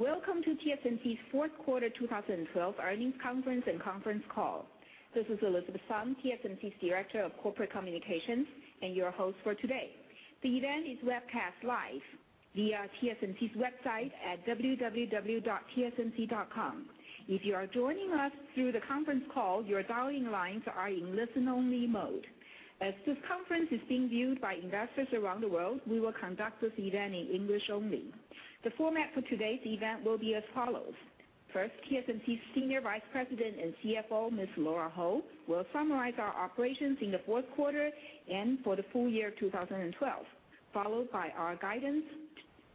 Welcome to TSMC's fourth quarter 2012 earnings conference and conference call. This is Elizabeth Sun, TSMC's Director of Corporate Communications and your host for today. The event is webcast live via tsmc.com. If you are joining us through the conference call, your dialing lines are in listen-only mode. As this conference is being viewed by investors around the world, we will conduct this event in English only. The format for today's event will be as follows. First, TSMC's Senior Vice President and CFO, Ms. Lora Ho, will summarize our operations in the fourth quarter and for the full year 2012, followed by our guidance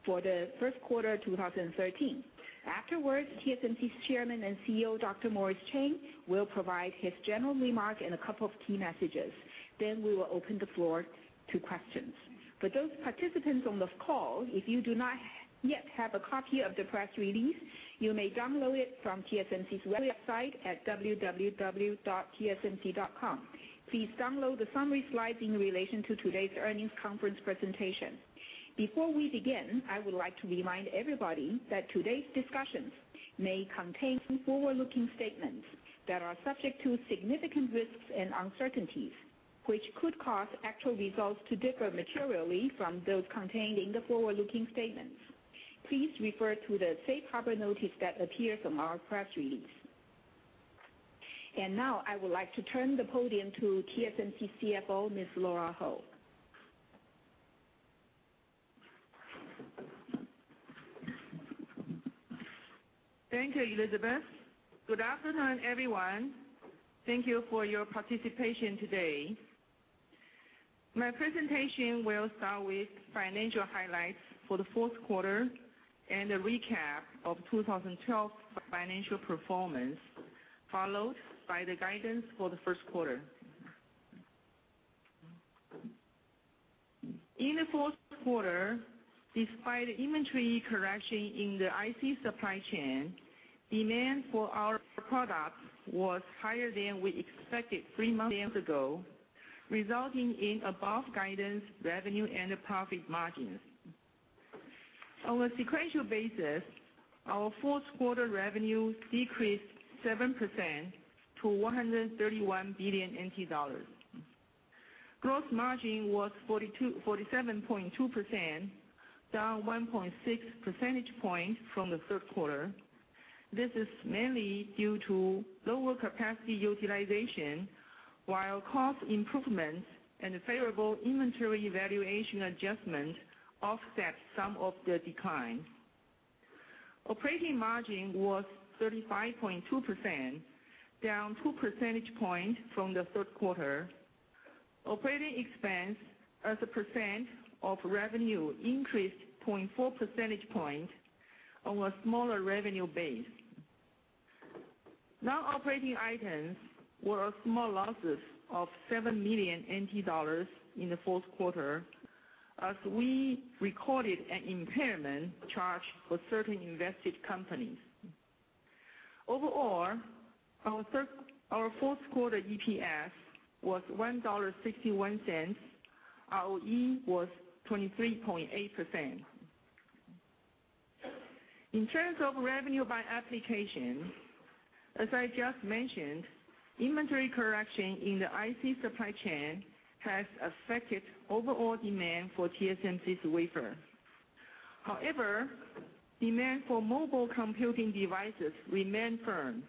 for the first quarter 2013. Afterwards, TSMC's Chairman and CEO, Dr. Morris Chang, will provide his general remark and a couple of key messages. We will open the floor to questions. For those participants on the call, if you do not yet have a copy of the press release, you may download it from tsmc.com. Please download the summary slides in relation to today's earnings conference presentation. Before we begin, I would like to remind everybody that today's discussions may contain forward-looking statements that are subject to significant risks and uncertainties, which could cause actual results to differ materially from those contained in the forward-looking statements. Please refer to the safe harbor notice that appears in our press release. Now I would like to turn the podium to TSMC CFO, Ms. Lora Ho. Thank you, Elizabeth. Good afternoon, everyone. Thank you for your participation today. My presentation will start with financial highlights for the fourth quarter and a recap of 2012 financial performance, followed by the guidance for the first quarter. In the fourth quarter, despite inventory correction in the IC supply chain, demand for our products was higher than we expected three months ago, resulting in above-guidance revenue and profit margins. On a sequential basis, our fourth quarter revenue decreased 7% to TWD 131 billion. Gross margin was 47.2%, down 1.6 percentage points from the third quarter. This is mainly due to lower capacity utilization, while cost improvements and favorable inventory valuation adjustment offset some of the decline. Operating margin was 35.2%, down two percentage points from the third quarter. Operating expense as a percent of revenue increased 0.4 percentage point on a smaller revenue base. Non-operating items were small losses of 7 million NT dollars in the fourth quarter, as we recorded an impairment charge for certain invested companies. Overall, our fourth quarter EPS was 1.61 dollar. ROE was 23.8%. In terms of revenue by application, as I just mentioned, inventory correction in the IC supply chain has affected overall demand for TSMC's wafer. However, demand for mobile computing devices remained firm,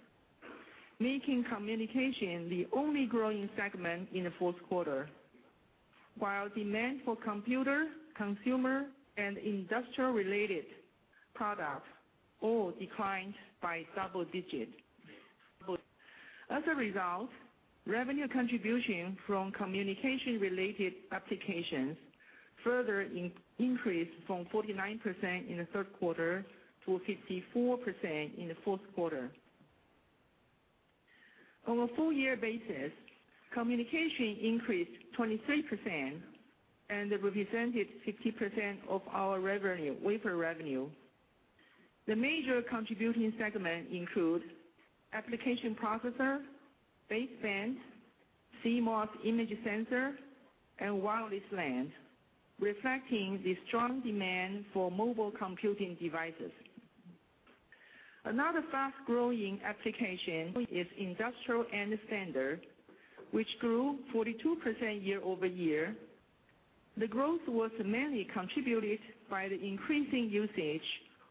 making communication the only growing segment in the fourth quarter, while demand for computer, consumer, and industrial-related products all declined by double-digit. As a result, revenue contribution from communication-related applications further increased from 49% in the third quarter to 54% in the fourth quarter. On a full year basis, communication increased 23% and it represented 50% of our wafer revenue. The major contributing segment include application processor, baseband, CMOS image sensor, and wireless LAN, reflecting the strong demand for mobile computing devices. Another fast-growing application is industrial and standard, which grew 42% year-over-year. The growth was mainly contributed by the increasing usage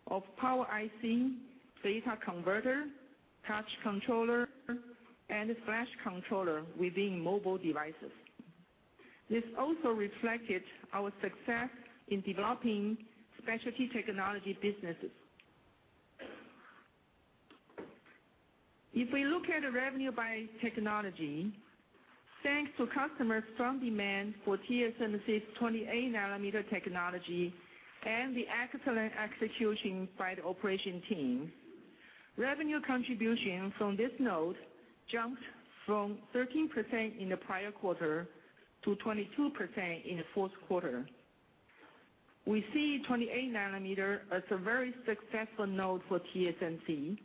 of power IC, data converter, touch controller, and flash controller within mobile devices. This also reflected our success in developing specialty technology businesses. If we look at the revenue by technology, thanks to customer strong demand for TSMC's 28-nanometer technology and the excellent execution by the operation team, revenue contribution from this node jumped from 13% in the prior quarter to 22% in the fourth quarter. We see 28-nanometer as a very successful node for TSMC,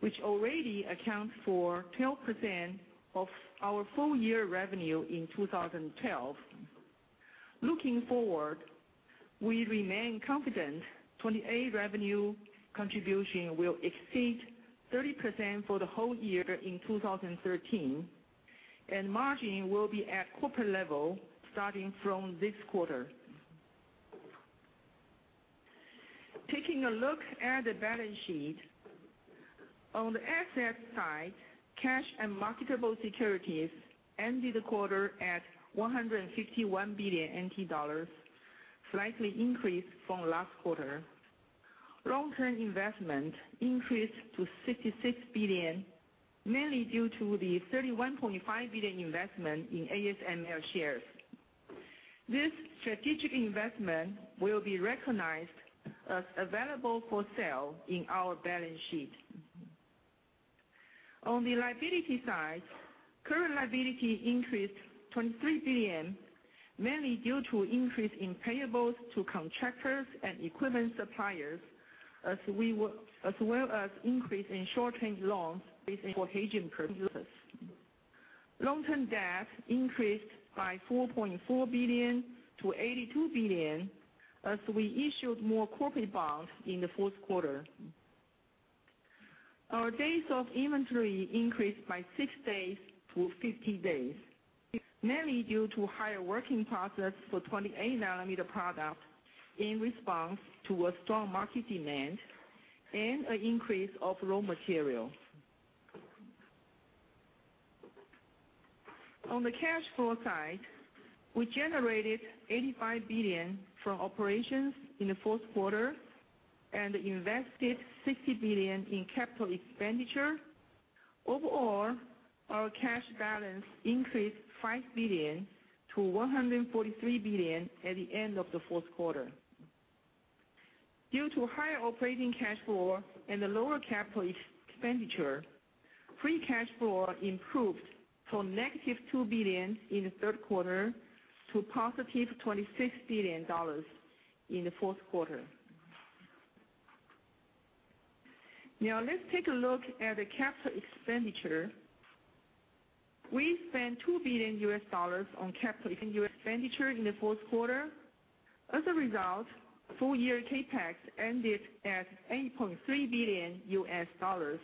which already accounts for 12% of our full year revenue in 2012. Looking forward, we remain confident 28 revenue contribution will exceed 30% for the whole year in 2013, and margin will be at corporate level starting from this quarter. Taking a look at the balance sheet. On the asset side, cash and marketable securities ended the quarter at 151 billion NT dollars, slightly increased from last quarter. Long-term investment increased to 66 billion, mainly due to the 31.5 billion investment in ASML shares. This strategic investment will be recognized as available for sale in our balance sheet. On the liability side, current liability increased 23 billion, mainly due to increase in payables to contractors and equipment suppliers, as well as increase in short-term loans for hedging purposes. Long-term debt increased by 4.4 billion to 82 billion, as we issued more corporate bonds in the fourth quarter. Our days of inventory increased by 6 days to 50 days, mainly due to higher working process for 28-nanometer products in response to a strong market demand and an increase of raw material. On the cash flow side, we generated 85 billion from operations in the fourth quarter and invested 60 billion in capital expenditure. Overall, our cash balance increased 5 billion to 143 billion at the end of the fourth quarter. Due to higher operating cash flow and the lower capital expenditure, free cash flow improved from negative 2 billion in the third quarter to positive 26 billion dollars in the fourth quarter. Now let's take a look at the capital expenditure. We spent 2 billion US dollars on capital expenditure in the fourth quarter. As a result, full year CapEx ended at 8.3 billion US dollars,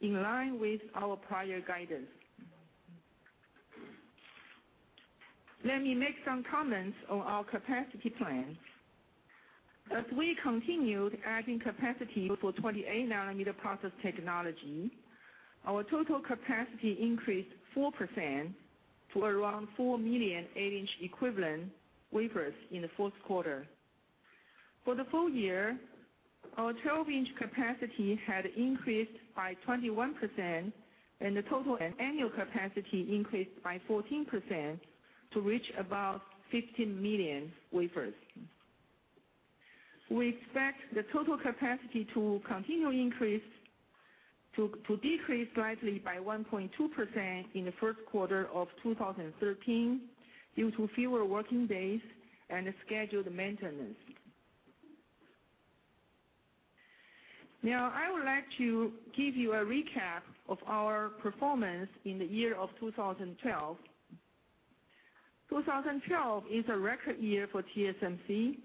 in line with our prior guidance. Let me make some comments on our capacity plans. As we continued adding capacity for 28-nanometer process technology, our total capacity increased 4% to around 4 million 8-inch equivalent wafers in the fourth quarter. For the full year, our 12-inch capacity had increased by 21%, and the total annual capacity increased by 14% to reach about 15 million wafers. We expect the total capacity to decrease slightly by 1.2% in the first quarter of 2013 due to fewer working days and scheduled maintenance. Now, I would like to give you a recap of our performance in the year of 2012. 2012 is a record year for TSMC.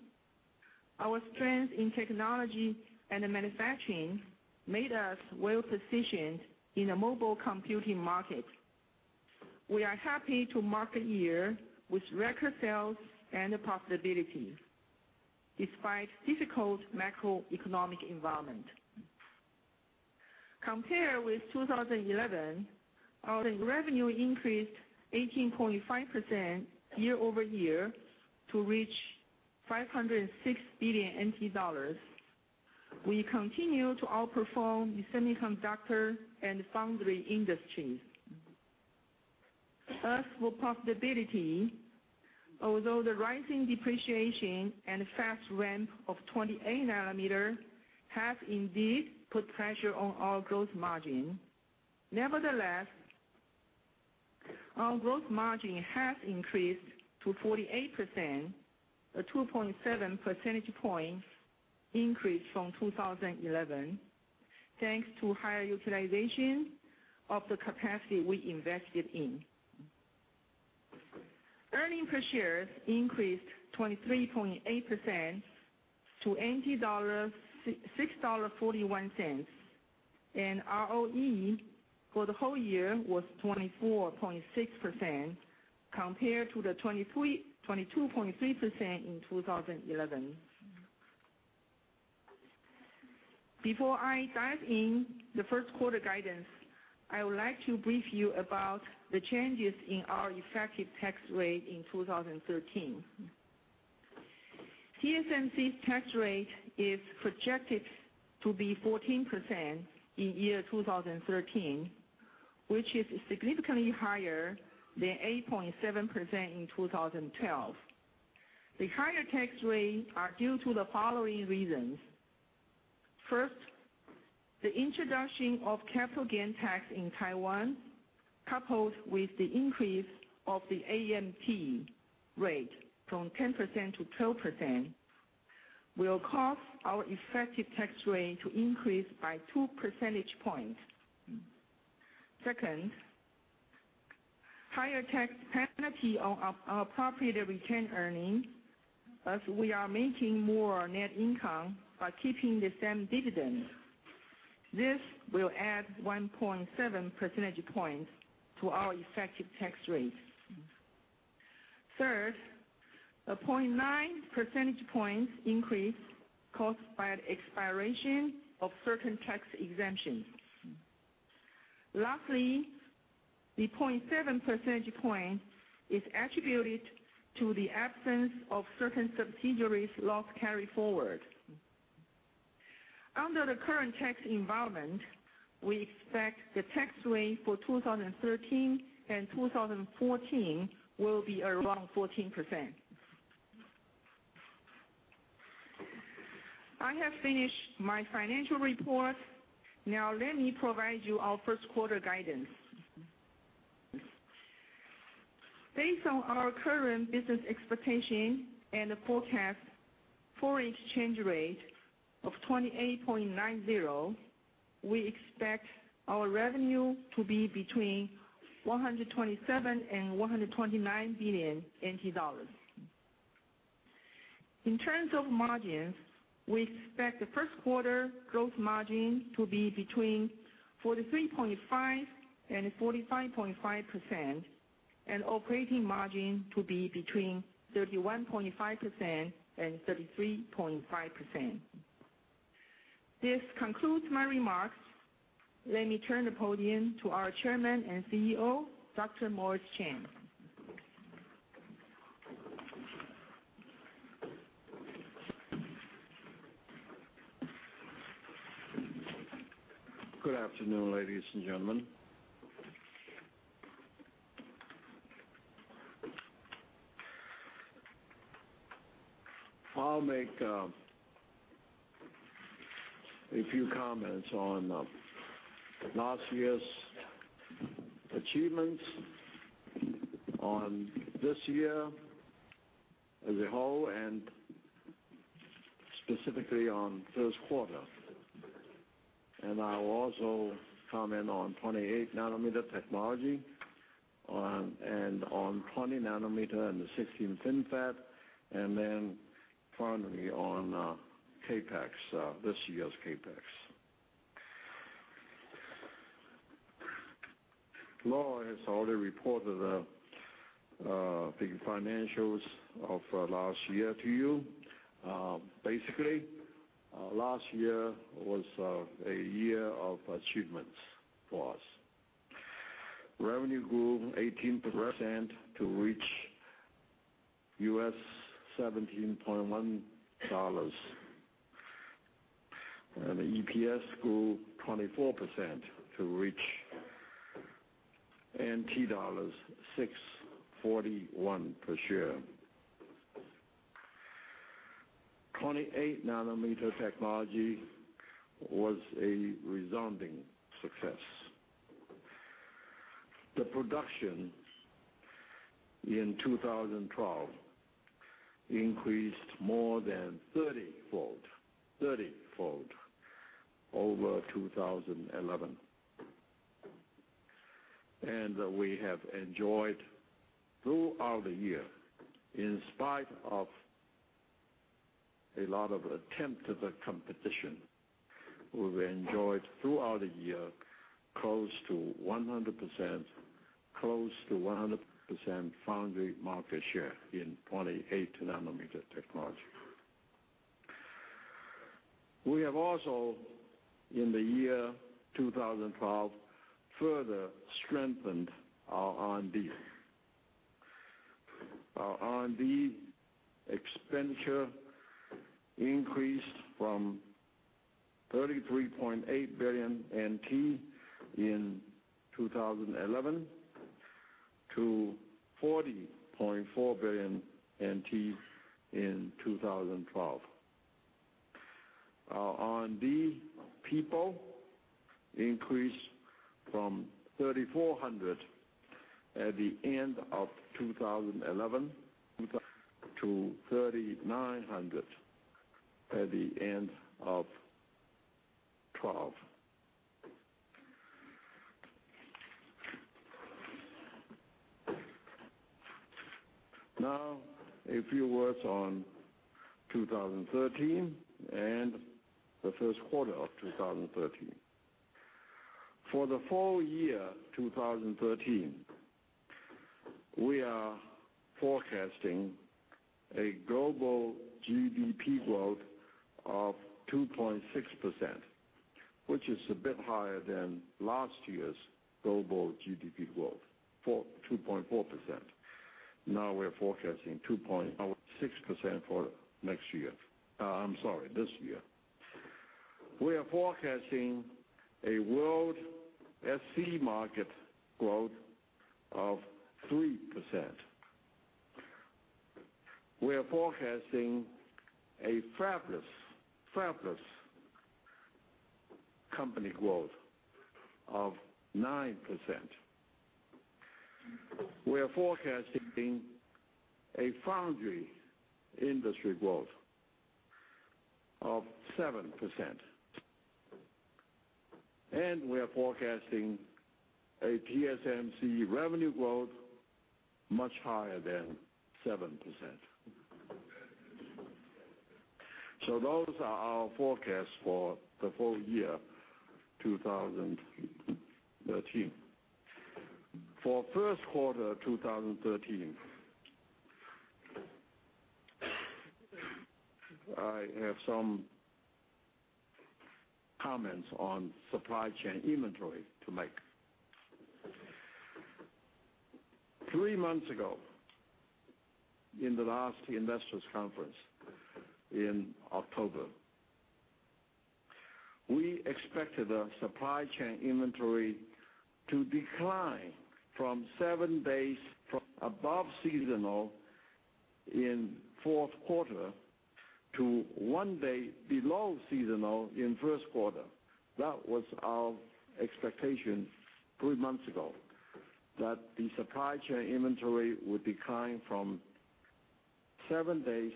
Our strength in technology and the manufacturing made us well-positioned in the mobile computing market. We are happy to mark a year with record sales and profitability, despite difficult macroeconomic environment. Compared with 2011, our revenue increased 18.5% year-over-year to reach 506 billion NT dollars. We continue to outperform the semiconductor and foundry industry. For profitability, although the rising depreciation and fast ramp of 28-nanometer have indeed put pressure on our gross margin. Nevertheless, our gross margin has increased to 48%, a 2.7 percentage points increase from 2011, thanks to higher utilization of the capacity we invested in. Earnings per share increased 23.8% to 6.41 dollars. ROE for the whole year was 24.6%, compared to the 22.3% in 2011. Before I dive in the first quarter guidance, I would like to brief you about the changes in our effective tax rate in 2013. TSMC's tax rate is projected to be 14% in year 2013, which is significantly higher than 8.7% in 2012. The higher tax rates are due to the following reasons. First, the introduction of capital gains tax in Taiwan, coupled with the increase of the AMT rate from 10% to 12%, will cause our effective tax rate to increase by two percentage points. Second, higher tax penalty on appropriate retained earnings, as we are making more net income by keeping the same dividend. This will add 1.7 percentage points to our effective tax rates. Third, a 0.9 percentage points increase caused by the expiration of certain tax exemptions. Lastly, the 0.7 percentage point is attributed to the absence of certain subsidiaries loss carry-forward. Under the current tax environment, we expect the tax rate for 2013 and 2014 will be around 14%. I have finished my financial report. Now let me provide you our first quarter guidance. Based on our current business expectation and the forecast foreign exchange rate of 28.90, we expect our revenue to be between 127 billion and 129 billion NT dollars. In terms of margins, we expect the first quarter gross margin to be between 43.5%-45.5%, and operating margin to be between 31.5%-33.5%. This concludes my remarks. Let me turn the podium to our Chairman and CEO, Dr. Morris Chang. Good afternoon, ladies and gentlemen. I'll make a few comments on last year's achievements, on this year as a whole, and specifically on first quarter. I'll also comment on 28 nanometer technology and on 20 nm and the 16nm FinFET, then finally on this year's CapEx. Lora has already reported the financials of last year to you. Basically, last year was a year of achievements for us. Revenue grew 18% to reach $17.1, and EPS grew 24% to reach TWD 6.41 per share. 28 nanometer technology was a resounding success. The production in 2012 increased more than 30-fold over 2011. We have enjoyed throughout the year, in spite of a lot of attempt of the competition, we've enjoyed throughout the year close to 100% foundry market share in 28 nanometer technology. We have also, in the year 2012, further strengthened our R&D. Our R&D expenditure increased from 33.8 billion NT in 2011 to 40.4 billion NT in 2012. Our R&D people increased from 3,400 at the end of 2011 to 3,900 at the end of 2012. A few words on 2013 and the first quarter of 2013. For the full year 2013, we are forecasting a global GDP growth of 2.6%, which is a bit higher than last year's global GDP growth for 2.4%. We're forecasting 2.6% for this year. We are forecasting a world semiconductor market growth of 3%. We are forecasting a fabless company growth of 9%. We're forecasting a foundry industry growth of 7%. We are forecasting a TSMC revenue growth much higher than 7%. Those are our forecasts for the full year 2013. For Q1 2013, I have some comments on supply chain inventory to make. Three months ago, in the last investors conference in October, we expected the supply chain inventory to decline from seven days from above seasonal in Q4 to one day below seasonal in Q1. That was our expectation three months ago, that the supply chain inventory would decline from seven days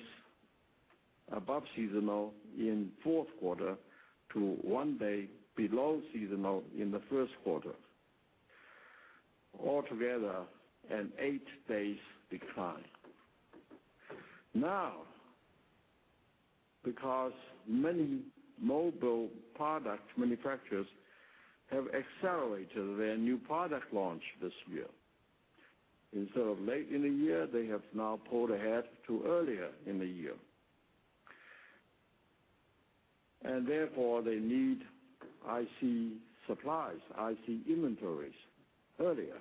above seasonal in Q4 to one day below seasonal in Q1. All together, an eight days decline. Because many mobile product manufacturers have accelerated their new product launch this year. Instead of late in the year, they have now pulled ahead to earlier in the year. Therefore, they need IC supplies, IC inventories earlier.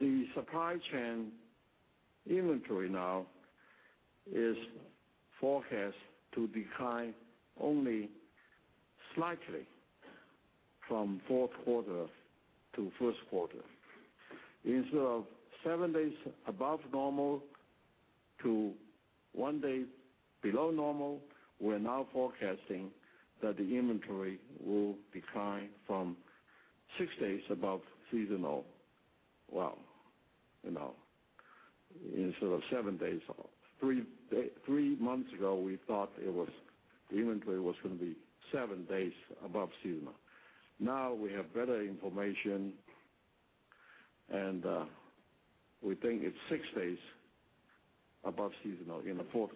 The supply chain inventory now is forecast to decline only slightly from Q4 to Q1. Instead of seven days above normal to one day below normal, we're now forecasting that the inventory will decline from six days above seasonal. Well, instead of seven days. Three months ago, we thought the inventory was going to be seven days above seasonal. We have better information, we think it's six days above seasonal in Q4.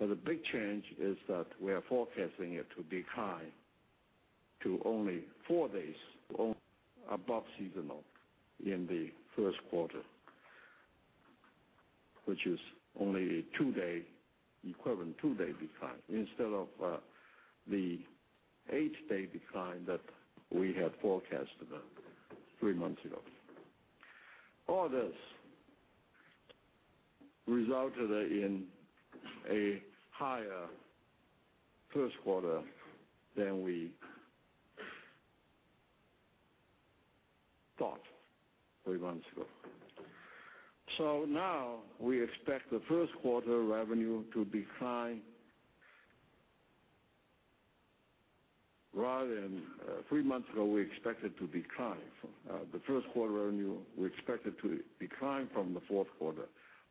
The big change is that we are forecasting it to decline to only four days above seasonal in Q1, which is only equivalent to a two-day decline, instead of the eight-day decline that we had forecasted three months ago. All this resulted in a higher Q1 than we thought three months ago.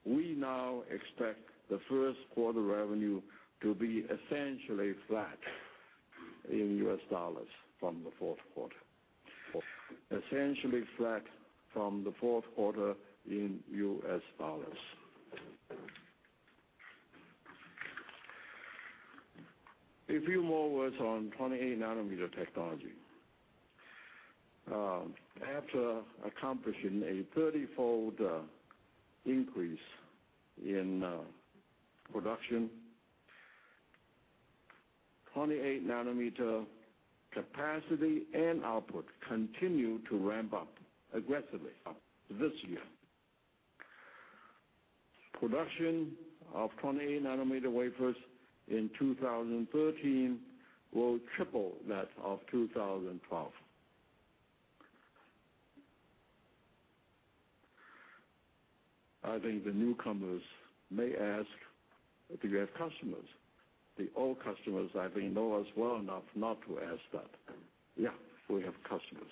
We now expect the Q1 revenue to decline. Three months ago, we expect it to decline. The Q1 revenue, we expect it to decline from Q4. We now expect the Q1 revenue to be essentially flat in US dollars from Q4. Essentially flat from Q4 in US dollars. A few more words on 28 nanometer technology. After accomplishing a 30-fold increase in production, 28 nanometer capacity and output continue to ramp up aggressively this year. Production of 28 nanometer wafers in 2013 will triple that of 2012. I think the newcomers may ask, do we have customers? The old customers, I think, know us well enough not to ask that. Yeah, we have customers.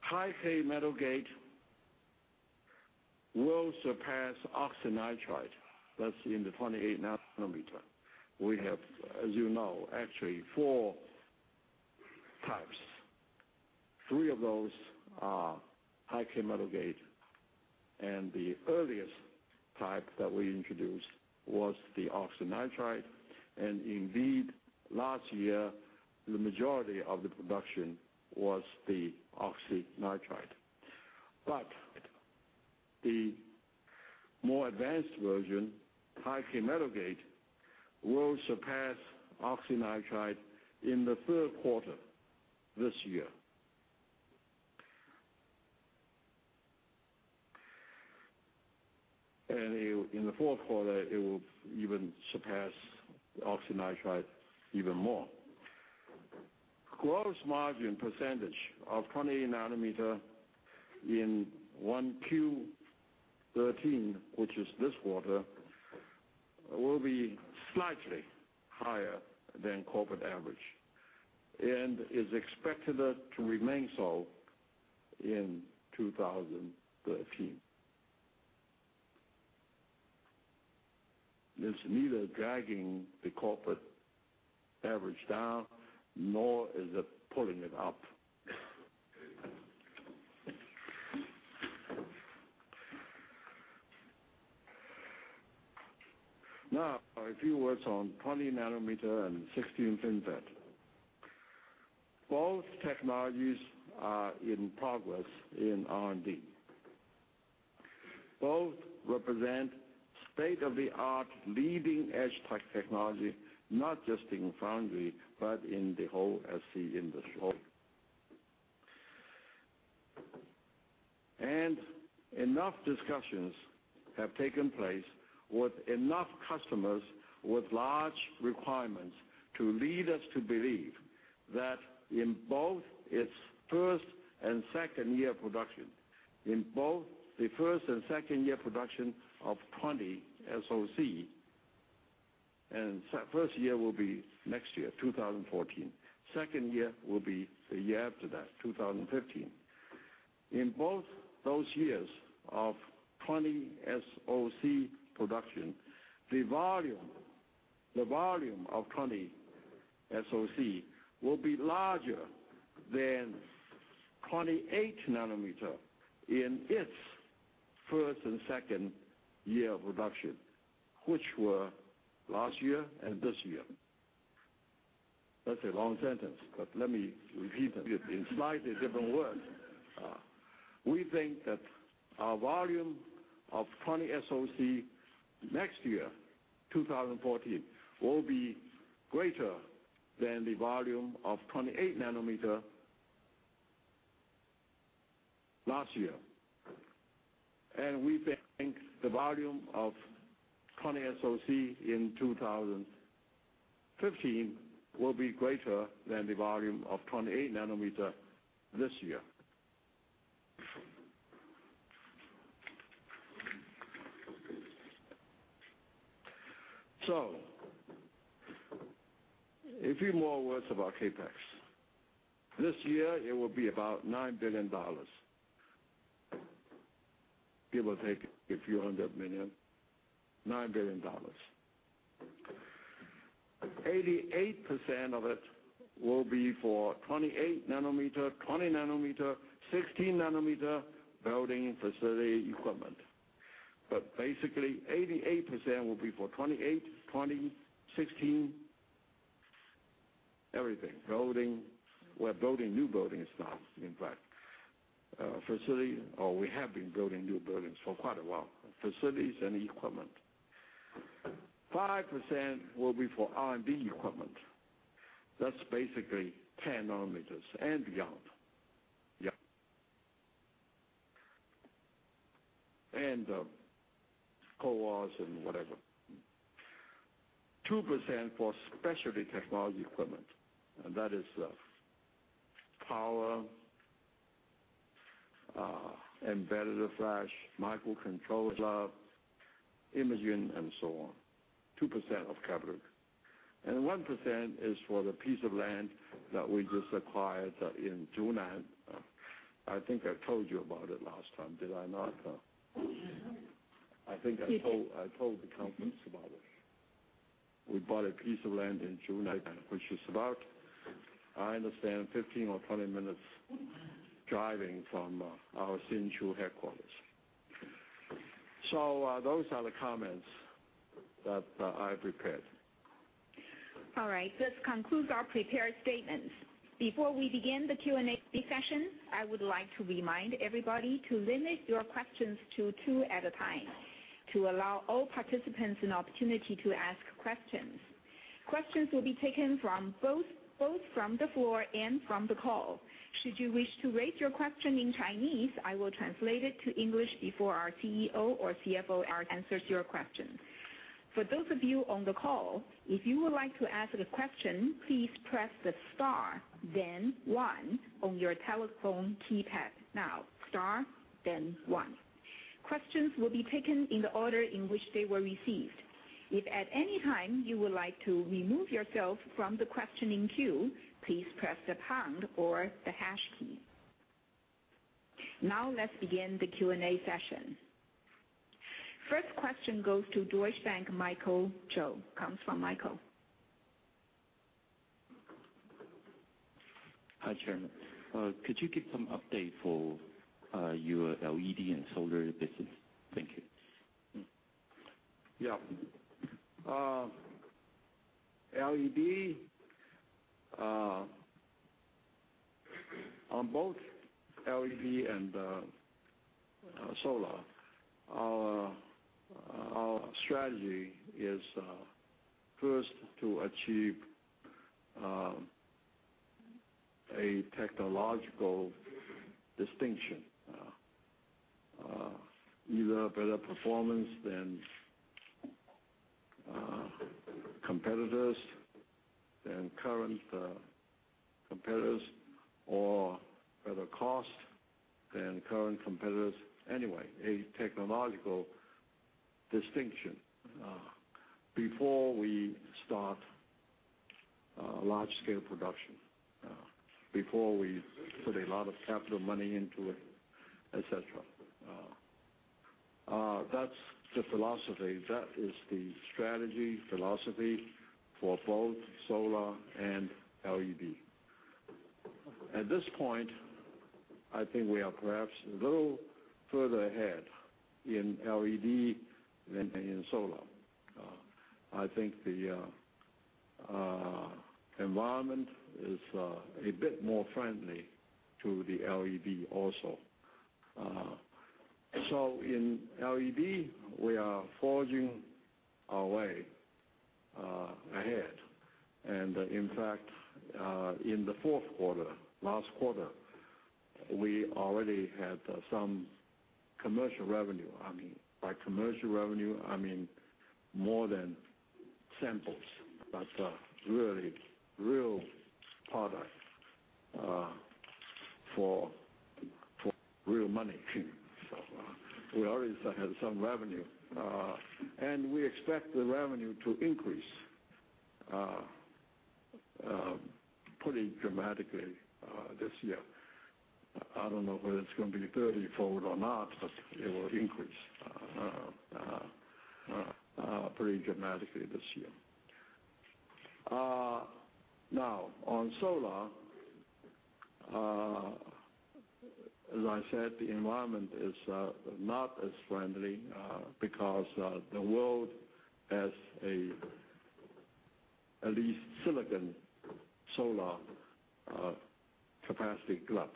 High-k Metal Gate will surpass oxynitride. That's in the 28 nanometer. We have, as you know, actually four types. Three of those are High-k Metal Gate, and the earliest type that we introduced was the oxynitride, and indeed, last year, the majority of the production was the oxynitride. The more advanced version, High-k Metal Gate, will surpass oxynitride in Q3 this year. In Q4, it will even surpass oxynitride even more. Gross margin percentage of 20 nm in 1Q13, which is this quarter, will be slightly higher than corporate average and is expected to remain so in 2013. It's neither dragging the corporate average down, nor is it pulling it up. A few words on 20 nm and 16nm FinFET. Both technologies are in progress in R&D. Both represent state-of-the-art, leading-edge technology, not just in foundry, but in the whole semiconductor industry. Enough discussions have taken place with enough customers with large requirements to lead us to believe that in both its first and second year of production, in both the first and second year production of 20 SOC, first year will be next year, 2014. Second year will be the year after that, 2015. In both those years of 20 SOC production, the volume of 20 SOC will be larger than 28-nanometer in its first and second year of production, which were last year and this year. That's a long sentence, but let me repeat it in slightly different words. We think that our volume of 20 SOC next year, 2014, will be greater than the volume of 28-nanometer last year. We think the volume of 20 SOC in 2015 will be greater than the volume of 28-nanometer this year. A few more words about CapEx. This year, it will be about $9 billion, give or take a few hundred million, $9 billion. 88% of it will be for 28-nanometer, 20 nm, 16-nanometer building facility equipment. Basically, 88% will be for 28, 20, 16, everything. We're building new buildings now, in fact. We have been building new buildings for quite a while. Facilities and equipment. 5% will be for R&D equipment. That's basically 10 nm and beyond. CoWoS and whatever. 2% for specialty technology equipment. That is power, embedded flash, microcontroller, imaging, and so on. 2% of capital. 1% is for the piece of land that we just acquired in Zhunan. I think I told you about it last time, did I not? Yes. I think I told the conference about it. We bought a piece of land in Zhunan, which is about, I understand, 15 or 20 minutes driving from our Hsinchu headquarters. Those are the comments that I've prepared. All right. This concludes our prepared statements. Before we begin the Q&A session, I would like to remind everybody to limit your questions to two at a time, to allow all participants an opportunity to ask questions. Questions will be taken both from the floor and from the call. Should you wish to raise your question in Chinese, I will translate it to English before our CEO or CFO answers your question. For those of you on the call, if you would like to ask a question, please press the star, then one on your telephone keypad now. Star, then one. Questions will be taken in the order in which they were received. If at any time you would like to remove yourself from the questioning queue, please press the pound or the hash key. Now let's begin the Q&A session. First question goes to Deutsche Bank, Michael Chou. Comes from Michael. Hi, Chairman. Could you give some update for your LED and solar business? Thank you. Yeah. On both LED and solar, our strategy is first to achieve a technological distinction. Either better performance than competitors, than current competitors, or better cost than current competitors. Anyway, a technological distinction before we start large-scale production, before we put a lot of capital money into it, et cetera. That's the philosophy. That is the strategy, philosophy for both solar and LED. At this point, I think we are perhaps a little further ahead in LED than in solar. I think the environment is a bit more friendly to the LED also. In LED, we are forging our way ahead. In fact, in the fourth quarter, last quarter, we already had some commercial revenue. By commercial revenue, I mean more than samples, but really real product for real money. We already had some revenue, and we expect the revenue to increase pretty dramatically this year. I don't know whether it's going to be 30-fold or not, but it will increase pretty dramatically this year. On solar, as I said, the environment is not as friendly because the world has a, at least silicon solar capacity glut,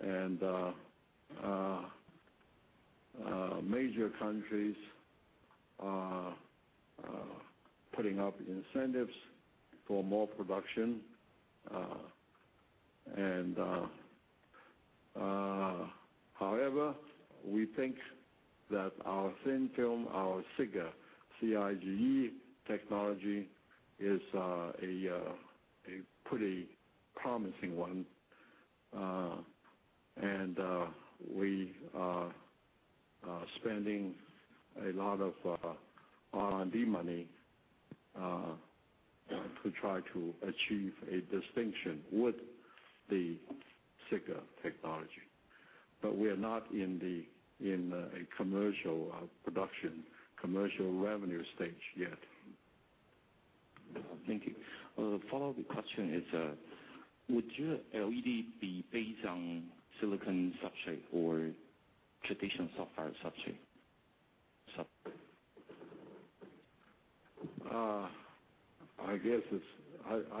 and major countries are putting up incentives for more production. However, we think that our thin film, our CIGS, C-I-G-S technology, is a pretty promising one. We are spending a lot of R&D money to try to achieve a distinction with the CIGS technology. We are not in a commercial production, commercial revenue stage yet. Thank you. A follow-up question is, would your LED be based on silicon substrate or traditional sapphire substrate? I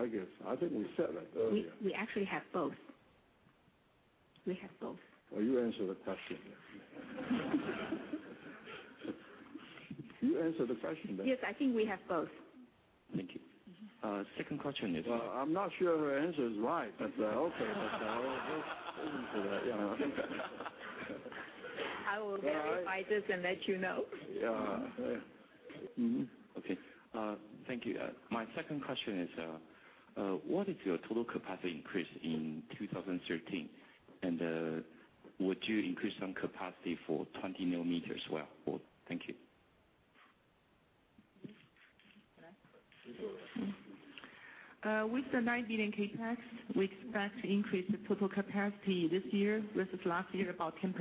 guess I think we said that earlier. We actually have both. Oh, you answered the question. You answered the question. Yes, I think we have both. Thank you. Second question is. I'm not sure if her answer is right, but okay. We'll go into that, yeah. I will verify this and let you know. Yeah. Okay. Thank you. My second question is, what is your total capacity increase in 2013? Would you increase some capacity for 20 nanometers as well? Thank you. With the 9 billion CapEx, we expect to increase the total capacity this year versus last year about 10%.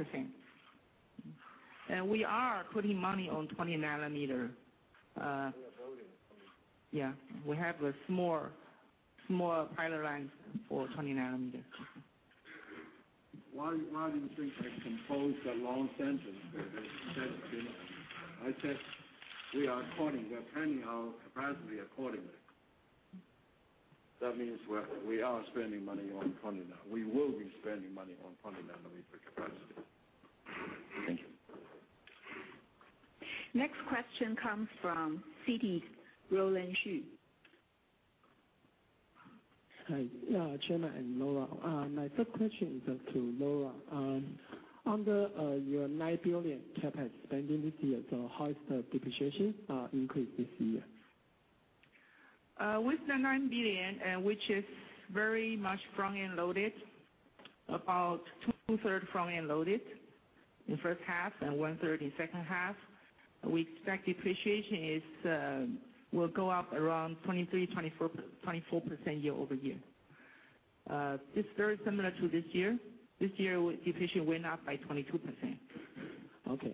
We are putting money on 20 nm. We are building it. Yeah. We have a small pilot line for 20 nm. Why do you think I composed a long sentence where I said we are planning our capacity accordingly? That means we are spending money on 20 nm. We will be spending money on 20 nm capacity. Thank you. Next question comes from Citi, Roland Shu. Hi, Chairman and Lora. My first question is to Lora. Under your 9 billion CapEx spending this year, how is the depreciation increase this year? With the 9 billion, which is very much front-end loaded, about two-third front-end loaded in the first half and one-third in the second half, we expect depreciation will go up around 23%-24% year-over-year. It's very similar to this year. This year, depreciation went up by 22%. Okay. This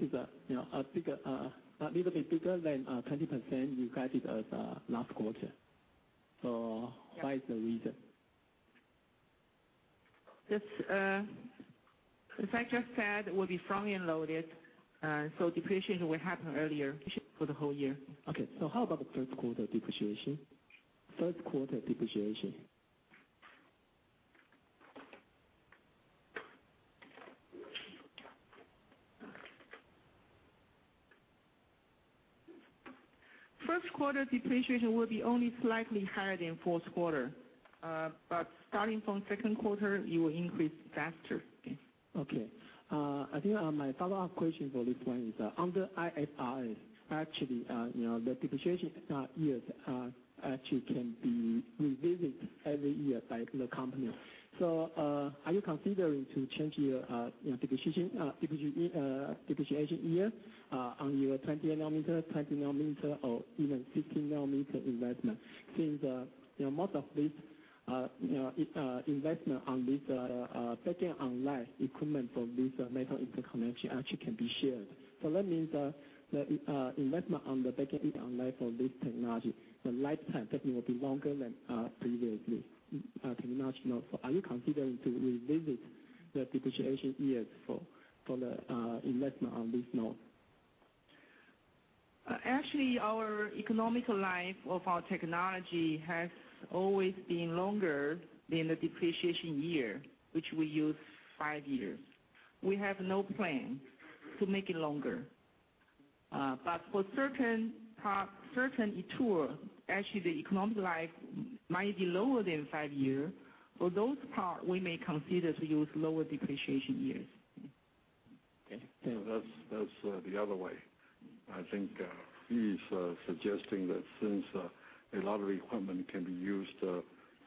is a little bit bigger than 20% you guided us last quarter. What is the reason? As I just said, it will be front-end loaded, depreciation will happen earlier for the whole year. How about the first quarter depreciation? First quarter depreciation will be only slightly higher than fourth quarter. Starting from second quarter, it will increase faster. I think my follow-up question for this one is, under IFRS, actually, the depreciation years actually can be revisited every year by the company. Are you considering changing your depreciation year on your 20 nm, or even 16 nanometer investment since most of this investment on this back-end online equipment for this metal interconnection actually can be shared. That means the investment on the back-end online for this technology, the lifetime definitely will be longer than previous technology. Are you considering revisiting the depreciation years for the investment on this node? Actually, our economic life of our technology has always been longer than the depreciation year, which we use five years. We have no plan to make it longer. For certain tools, actually, the economic life might be lower than five years. For those parts, we may consider to use lower depreciation years. Okay. That's the other way. I think he's suggesting that since a lot of equipment can be used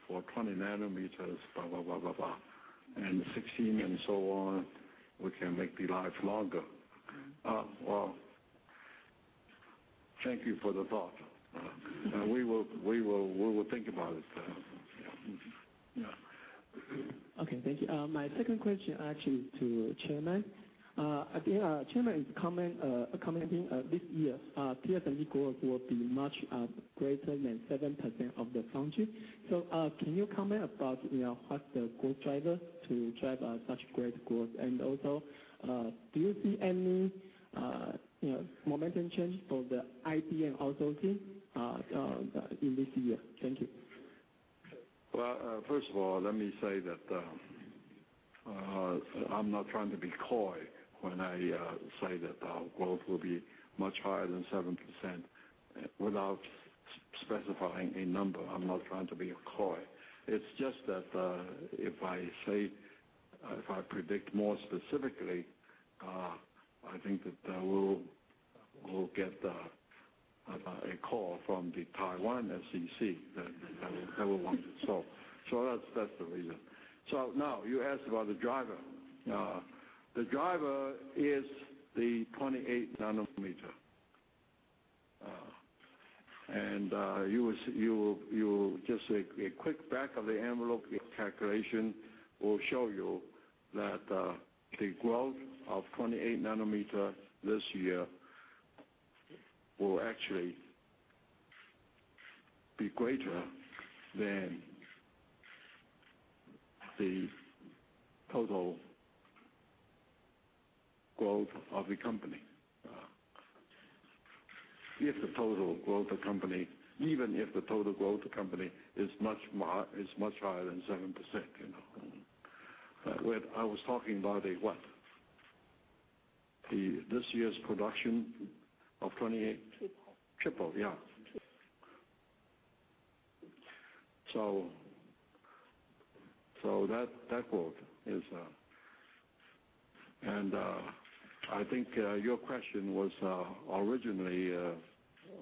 for 20 nm, blah, blah, blah, and 16 and so on, we can make the life longer. Well, thank you for the thought. We will think about it. Okay, thank you. My second question actually is to Chairman. Again, Chairman is commenting this year's TSMC growth will be much greater than 7% of the foundry. Can you comment about what's the growth driver to drive such great growth? Do you see any momentum change for the IDM outsourcing in this year? Thank you. Well, first of all, let me say that I'm not trying to be coy when I say that our growth will be much higher than 7% without specifying a number. I'm not trying to be coy. It's just that if I predict more specifically, I think that we'll get a call from the Taiwan SEC that will want it. That's the reason. Now you asked about the driver. The driver is the 28-nanometer. Just a quick back of the envelope calculation will show you that the growth of 28-nanometer this year will actually be greater than the total growth of the company, even if the total growth of the company is much higher than 7%. I was talking about what? This year's production of 28-nanometer. Triple. Triple, yeah. That growth is I think your question was originally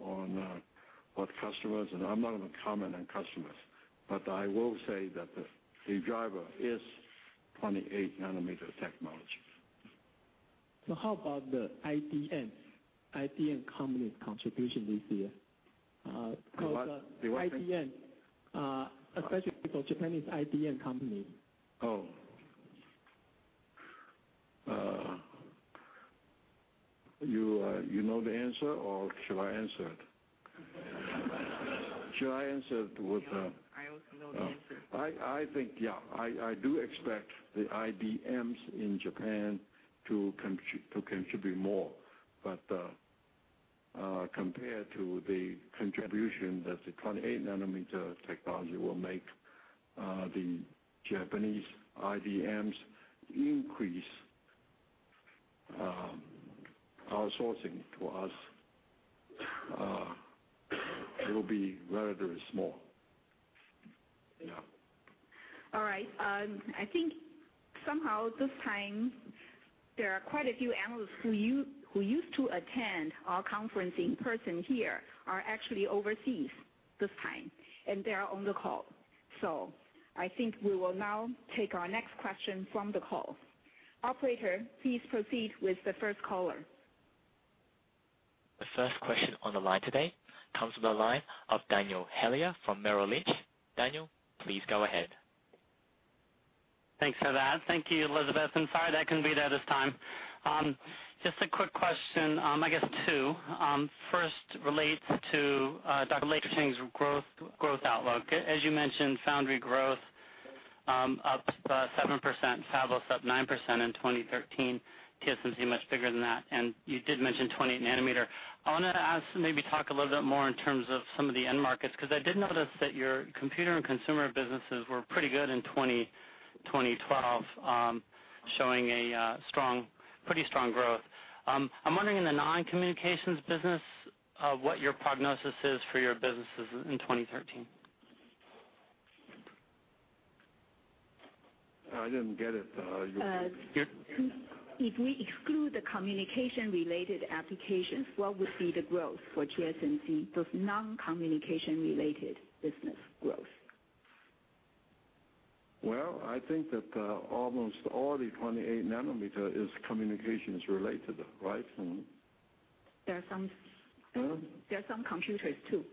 on what customers, and I'm not going to comment on customers, but I will say that the driver is 28-nanometer technology. How about the IDM company's contribution this year? The what? The what? IDM, especially for Japanese IDM company. Oh. You know the answer, or shall I answer it? Shall I answer it? I also know the answer. I think, yeah, I do expect the IDMs in Japan to contribute more. Compared to the contribution that the 28-nanometer technology will make, the Japanese IDMs increase outsourcing to us. It will be relatively small. Yeah. All right. I think somehow this time, there are quite a few analysts who used to attend our conference in person here are actually overseas this time, and they are on the call. I think we will now take our next question from the call. Operator, please proceed with the first caller. The first question on the line today comes from the line of Daniel Heyler from Merrill Lynch. Daniel, please go ahead. Thanks for that. Thank you, Elizabeth. I'm sorry I couldn't be there this time. A quick question. I guess two. First relates to Dr. C. L. Lei's growth outlook. As you mentioned, foundry growth up 7%, fabless up 9% in 2013, TSMC much bigger than that, and you did mention 20 nm. I want to ask, maybe talk a little bit more in terms of some of the end markets, because I did notice that your computer and consumer businesses were pretty good in 2012, showing a pretty strong growth. I'm wondering, in the non-communications business, what your prognosis is for your businesses in 2013? I didn't get it. You could repeat? If we exclude the communication-related applications, what would be the growth for TSMC, both non-communication-related business growth? I think that almost all the 28-nanometer is communications related, right? There are some- There are some computers, too.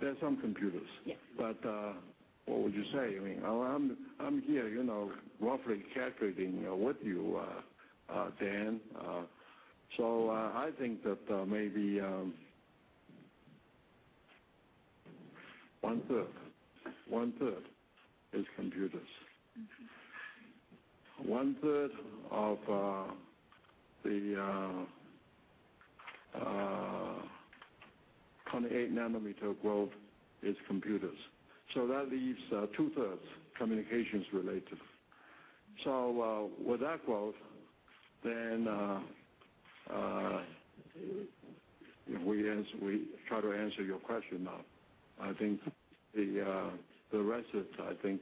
There are some computers. Yes. What would you say? I'm here roughly calculating with you, Dan. I think that maybe one-third is computers. One-third of the 28-nanometer growth is computers. That leaves two-thirds communications related. With that growth, then we try to answer your question now. I think the rest of it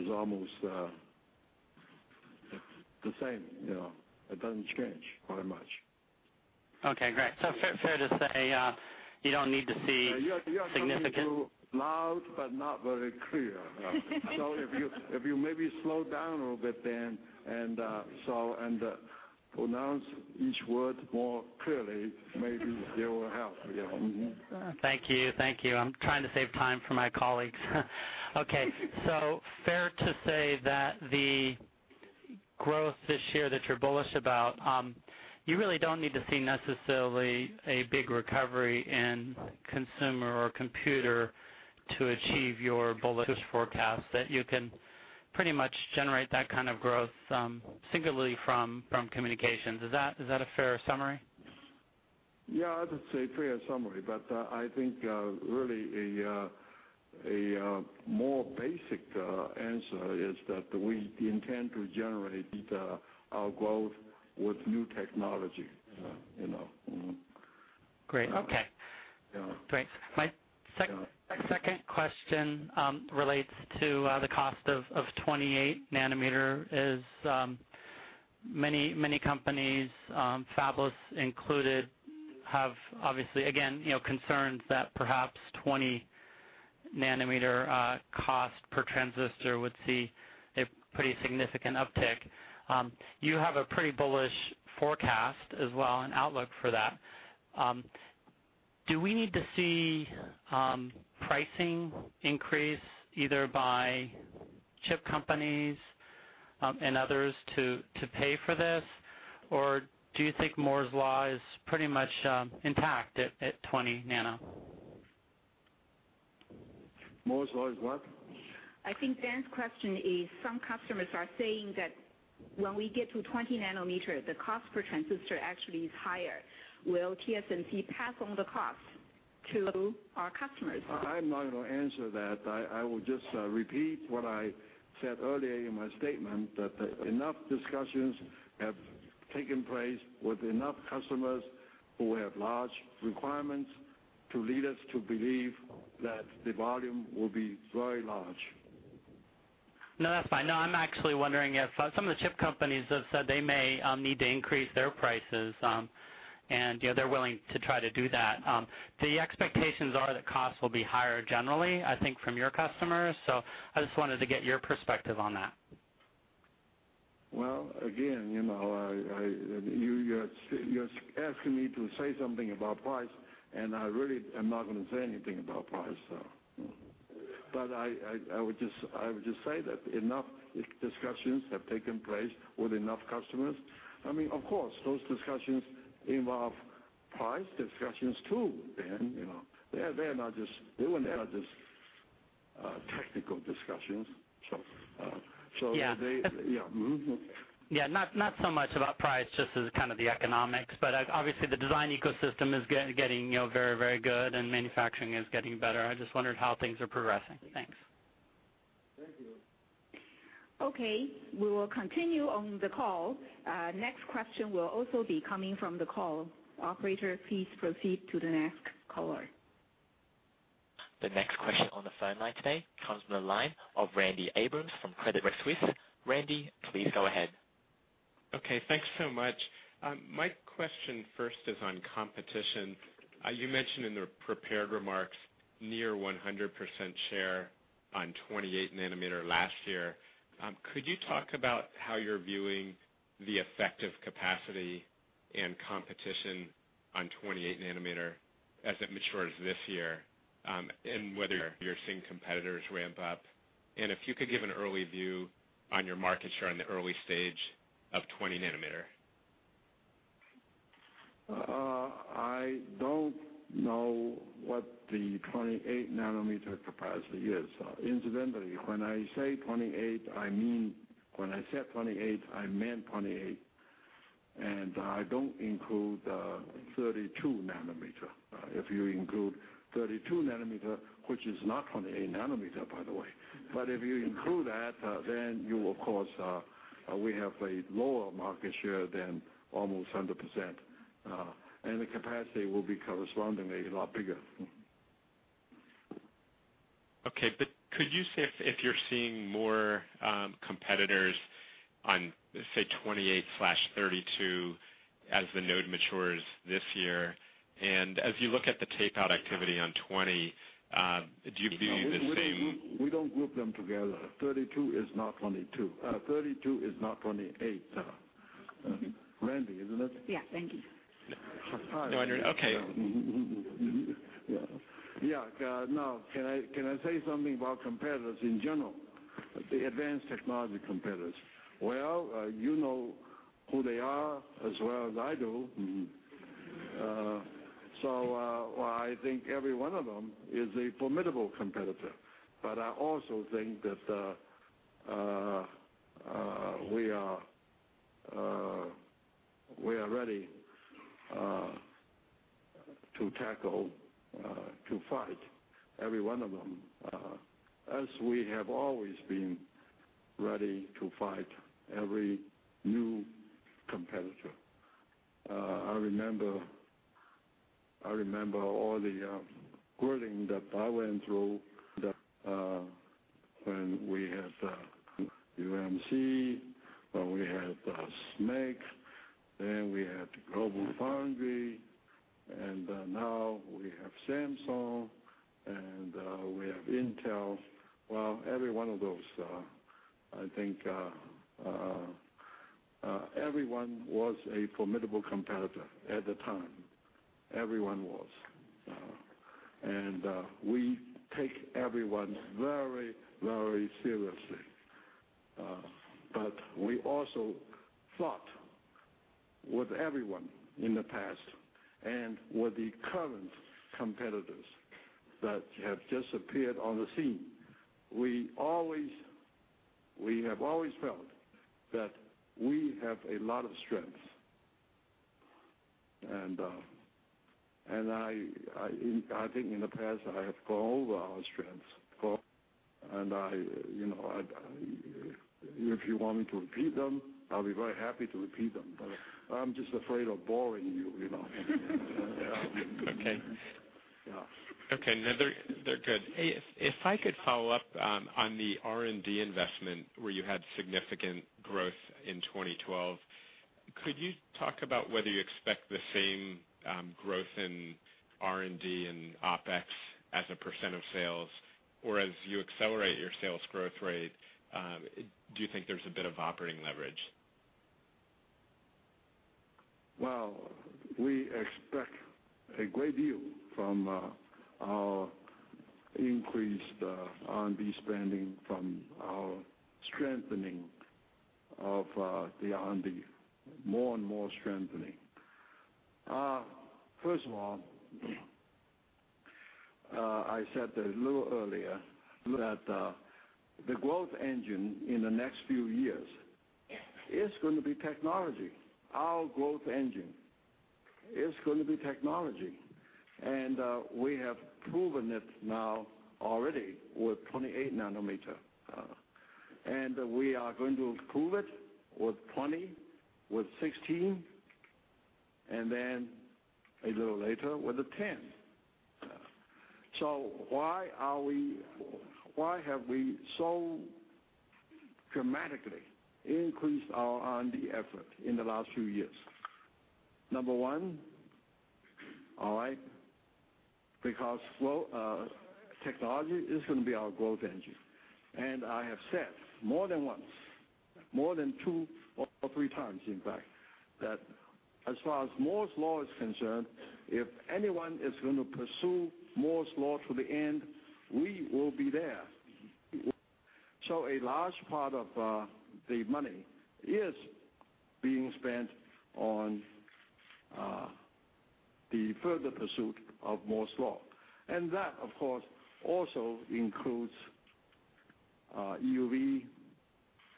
is almost the same. It doesn't change very much. Okay, great. Fair to say, you don't need to see significant You are talking too loud, but not very clear. If you maybe slow down a little bit then, and pronounce each word more clearly, maybe it will help. Yeah. Mm-hmm. Thank you. Thank you. I'm trying to save time for my colleagues. Okay, fair to say that the growth this year that you're bullish about, you really don't need to see necessarily a big recovery in consumer or computer to achieve your bullish forecast, that you can pretty much generate that kind of growth singularly from communications. Is that a fair summary? Yeah, that's a fair summary, I think really a more basic answer is that we intend to generate our growth with new technology. Mm-hmm. Great. Okay. Yeah. Great. My second question relates to the cost of 28-nanometer is, many companies, fabless included, have obviously, again, concerns that perhaps 20 nm cost per transistor would see a pretty significant uptick. You have a pretty bullish forecast as well, and outlook for that. Do we need to see pricing increase either by chip companies and others to pay for this? Or do you think Moore's Law is pretty much intact at 20 nano? Moore's Law is what? I think Dan's question is some customers are saying that when we get to 20 nm, the cost per transistor actually is higher. Will TSMC pass on the cost to our customers? I'm not going to answer that. I will just repeat what I said earlier in my statement, that enough discussions have taken place with enough customers who have large requirements to lead us to believe that the volume will be very large. No, that's fine. I'm actually wondering if some of the chip companies have said they may need to increase their prices, and they're willing to try to do that. The expectations are that costs will be higher generally, I think, from your customers. I just wanted to get your perspective on that. Again, you're asking me to say something about price, and I really am not going to say anything about price. I would just say that enough discussions have taken place with enough customers. Of course, those discussions involve price discussions too, Dan. They were not just technical discussions. Yeah. Yeah. Mm-hmm. Yeah, not so much about price, just as the economics. Obviously the design ecosystem is getting very good and manufacturing is getting better. I just wondered how things are progressing. Thanks. Thank you. Okay. We will continue on the call. Next question will also be coming from the call. Operator, please proceed to the next caller. The next question on the phone line today comes from the line of Randy Abrams from Credit Suisse. Randy, please go ahead. Okay. Thanks so much. My question first is on competition. You mentioned in the prepared remarks, near 100% share on 28 nanometer last year. Could you talk about how you're viewing the effective capacity and competition on 28 nanometer as it matures this year? Whether you're seeing competitors ramp up, and if you could give an early view on your market share in the early stage of 20 nm. I don't know what the 28 nanometer capacity is. Incidentally, when I say 28, I meant 28. I don't include the 32 nm. If you include 32 nm, which is not 28 nanometer, by the way, but if you include that, then you of course, we have a lower market share than almost 100%. The capacity will be correspondingly a lot bigger. Okay, could you say if you're seeing more competitors on, say, 28/32 as the node matures this year? As you look at the tape-out activity on 20, do you view the same- We don't group them together. 32 is not 28. Randy, isn't it? Yeah. Randy. No, I know. Okay. Yeah. Can I say something about competitors in general, the advanced technology competitors? Well, you know who they are as well as I do. I think every one of them is a formidable competitor. I also think that we are ready to tackle, to fight every one of them, as we have always been ready to fight every new competitor. I remember all the grilling that I went through when we had UMC, we had SMIC, then we had GlobalFoundries, and now we have Samsung, and we have Intel. Well, every one of those, I think everyone was a formidable competitor at the time. Everyone was. We take everyone very, very seriously. We also fought with everyone in the past and with the current competitors that have just appeared on the scene. We have always felt that we have a lot of strengths. I think in the past, I have gone over our strengths before, and if you want me to repeat them, I'll be very happy to repeat them, but I'm just afraid of boring you. Okay. Yeah. Okay. No, they're good. If I could follow up on the R&D investment, where you had significant growth in 2012, could you talk about whether you expect the same growth in R&D and OpEx as a % of sales, or as you accelerate your sales growth rate, do you think there's a bit of operating leverage? We expect a great deal from our increased R&D spending, from our strengthening of the R&D, more and more strengthening. First of all, I said a little earlier that the growth engine in the next few years is going to be technology. Our growth engine is going to be technology. We have proven it now already with 28 nanometer. We are going to prove it with 20, with 16, and then a little later with the 10. Why have we so dramatically increased our R&D effort in the last few years? Number one, all right, because technology is going to be our growth engine. I have said more than once, more than two or three times, in fact, that as far as Moore's Law is concerned, if anyone is going to pursue Moore's Law to the end, we will be there. A large part of the money is being spent on the further pursuit of Moore's Law. That, of course, also includes EUV,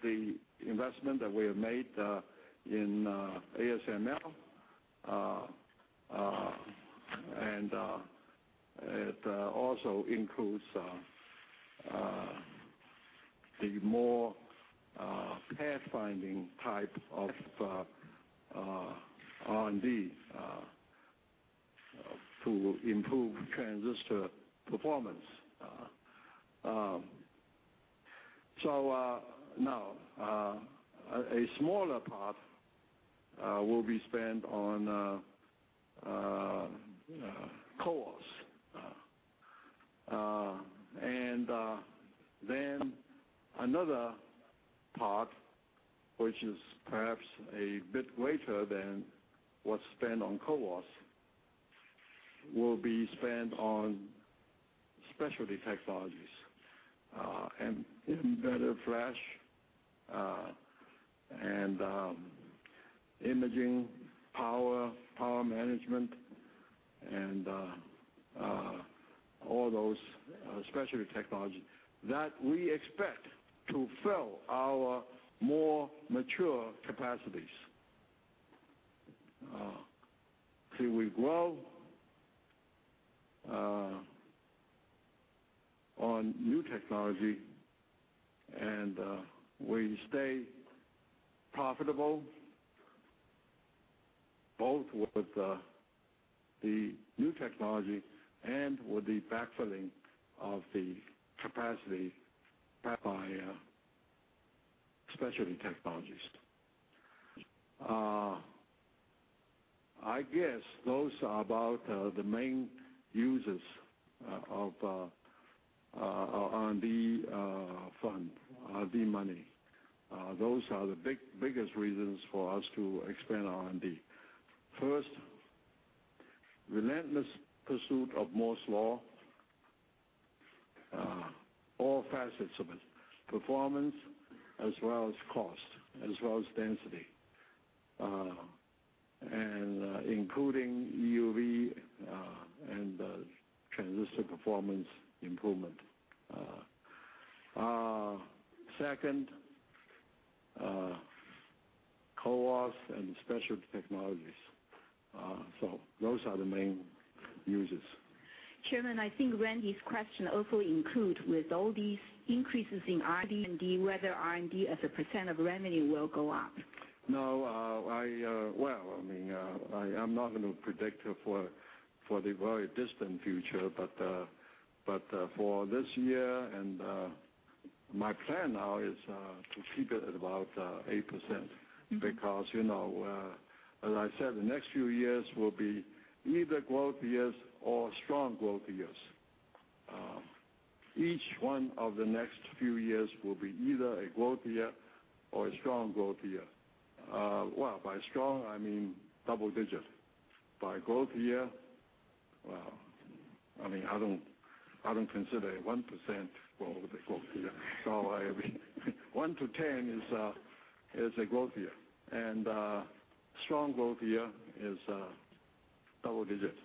the investment that we have made in ASML, and it also includes the more pathfinding type of R&D to improve transistor performance. Now, a smaller part will be spent on CoWoS. Then another part, which is perhaps a bit greater than what's spent on CoWoS, will be spent on specialty technologies, embedded flash, imaging, power management. All those specialty technologies that we expect to fill our more mature capacities. See, we grow on new technology, and we stay profitable, both with the new technology and with the backfilling of the capacity by specialty technologies. I guess those are about the main uses of our R&D fund, R&D money. Those are the biggest reasons for us to expand R&D. First, relentless pursuit of Moore's Law, all facets of it, performance as well as cost, as well as density, including EUV and transistor performance improvement. Second, CoWoS and specialty technologies. Those are the main uses. Chairman, I think Randy's question also includes with all these increases in R&D, whether R&D as a % of revenue will go up. No. Well, I'm not going to predict for the very distant future, but for this year, my plan now is to keep it at about 8%. As I said, the next few years will be either growth years or strong growth years. Each one of the next few years will be either a growth year or a strong growth year. Well, by strong, I mean double-digit. By growth year, well, I don't consider a 1% growth a growth year. 1-10 is a growth year, and a strong growth year is double-digits.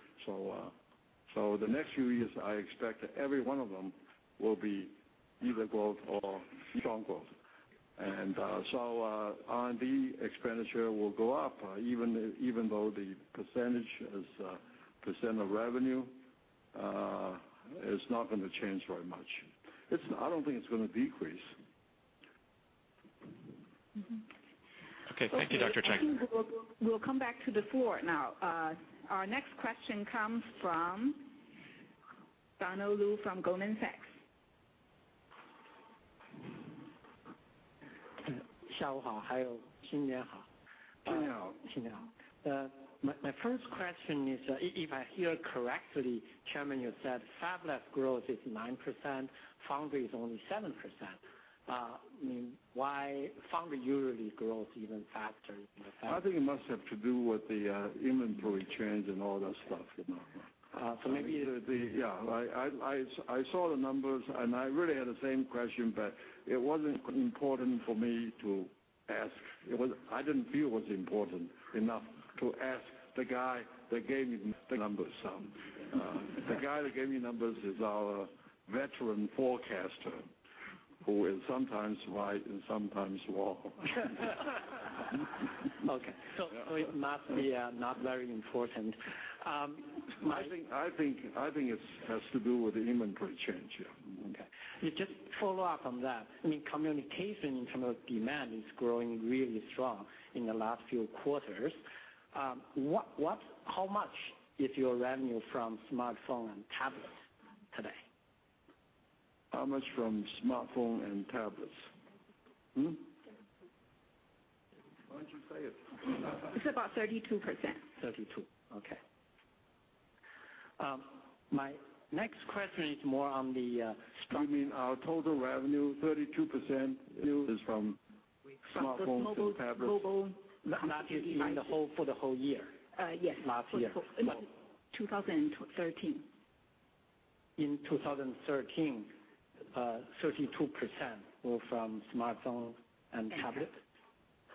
The next few years, I expect that every one of them will be either growth or strong growth. R&D expenditure will go up, even though the percentage as a % of revenue is not going to change very much. I don't think it's going to decrease. Okay. Thank you, Dr. Chiang. I think we'll come back to the floor now. Our next question comes from Donald Lu from Goldman Sachs. My first question is, if I hear correctly, Chairman, you said fabless growth is 9%, foundry is only 7%. Why foundry usually grows even faster than that? I think it must have to do with the inventory change and all that stuff. So maybe- Yeah. I saw the numbers. I really had the same question. It wasn't important for me to ask. I didn't feel it was important enough to ask the guy that gave me the numbers. The guy that gave me numbers is our veteran forecaster, who is sometimes right and sometimes wrong. Okay. It must be not very important. I think it has to do with the inventory change, yeah. Okay. Just follow up on that. Communication in terms of demand is growing really strong in the last few quarters. How much is your revenue from smartphone and tablet today? How much from smartphone and tablets? Hmm? 32. Why don't you say it? It's about 32%. 32. Okay. My next question is more on. You mean our total revenue, 32% is from smartphones and tablets. Global computing devices. Not just for the whole year. Yes. Last year. 2013. In 2013, 32% were from smartphones and tablets.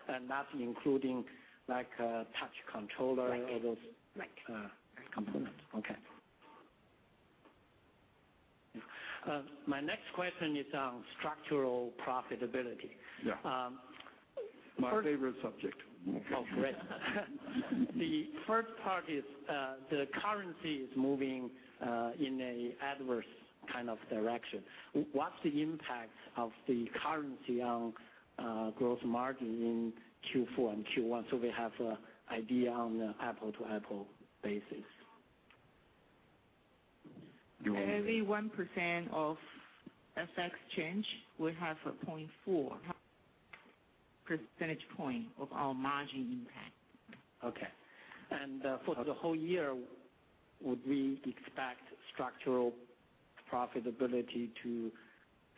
Tablets. That's including touch controller. Right Components. Okay. My next question is on structural profitability. Yeah. My favorite subject. Oh, great. The first part is the currency is moving in an adverse kind of direction. What's the impact of the currency on gross margin in Q4 and Q1, so we have an idea on an apple-to-apple basis? You want- Every 1% of FX change, we have a 0.4 percentage point of our margin impact. Okay. For the whole year, would we expect structural profitability to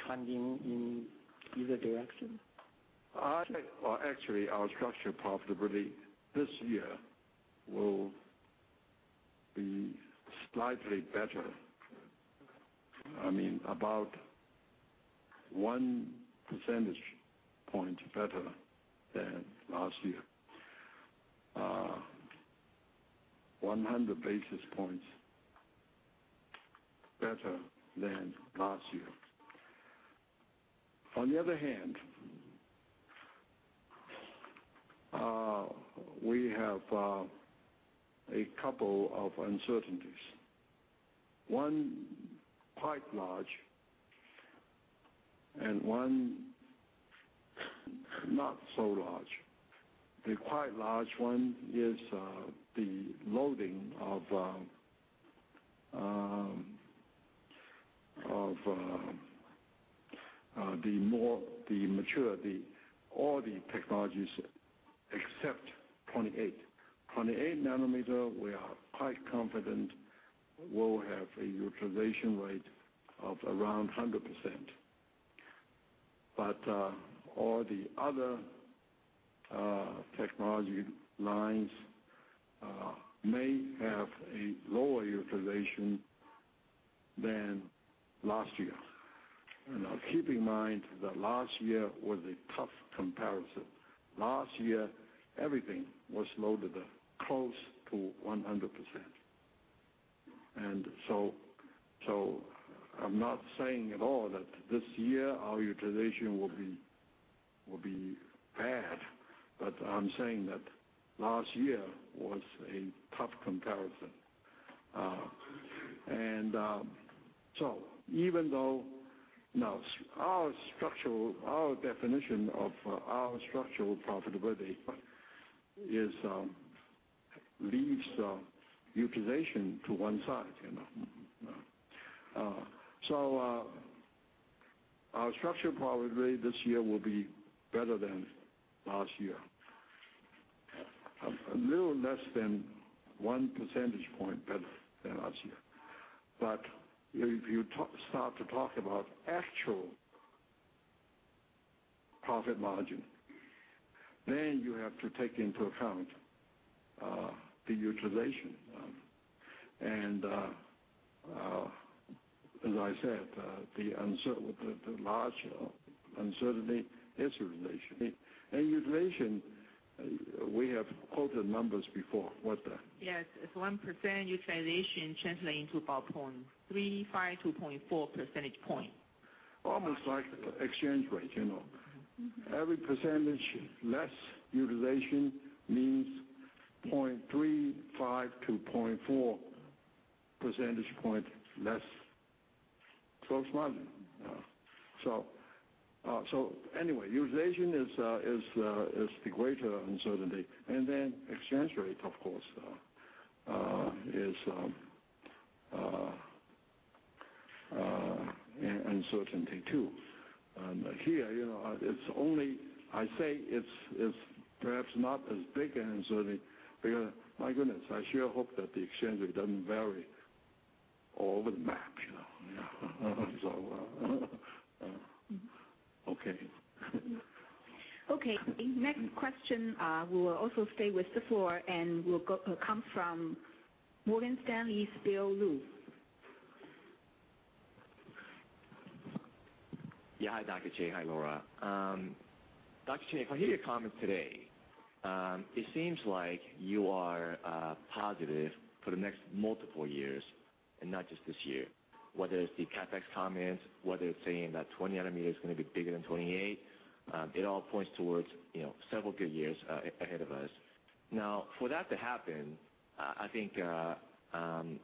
trending in either direction? Actually, our structural profitability this year will be slightly better. About one percentage point better than last year. 100 basis points better than last year. On the other hand, we have a couple of uncertainties, one quite large and one not so large. The quite large one is the loading of the maturity, all the technologies except 28. 28-nanometer, we are quite confident will have a utilization rate of around 100%. All the other technology lines may have a lower utilization than last year. Now, keep in mind that last year was a tough comparison. Last year, everything was loaded close to 100%. I'm not saying at all that this year our utilization will be bad, but I'm saying that last year was a tough comparison. Even though our definition of our structural profitability leaves utilization to one side. Our structural profitability this year will be better than last year. A little less than one percentage point better than last year. If you start to talk about actual profit margin, then you have to take into account the utilization. As I said, the large uncertainty is utilization. Utilization, we have quoted numbers before. Yes, it's 1% utilization translating to about 0.35-0.4 percentage point. Almost like exchange rate. Every percentage less utilization means 0.35 to 0.4 percentage point less gross margin. Anyway, utilization is the greater uncertainty. Then exchange rate, of course, is uncertainty too. Here, I say it's perhaps not as big an uncertainty because, my goodness, I sure hope that the exchange rate doesn't vary all over the map. Okay. Okay. Next question will also stay with the floor and will come from Morgan Stanley's Bill Lu. Hi, Dr. C. Hi, Lora. Dr. C, if I hear your comments today, it seems like you are positive for the next multiple years and not just this year, whether it's the CapEx comments, whether it's saying that 20 nm is going to be bigger than 28, it all points towards several good years ahead of us. For that to happen, I think,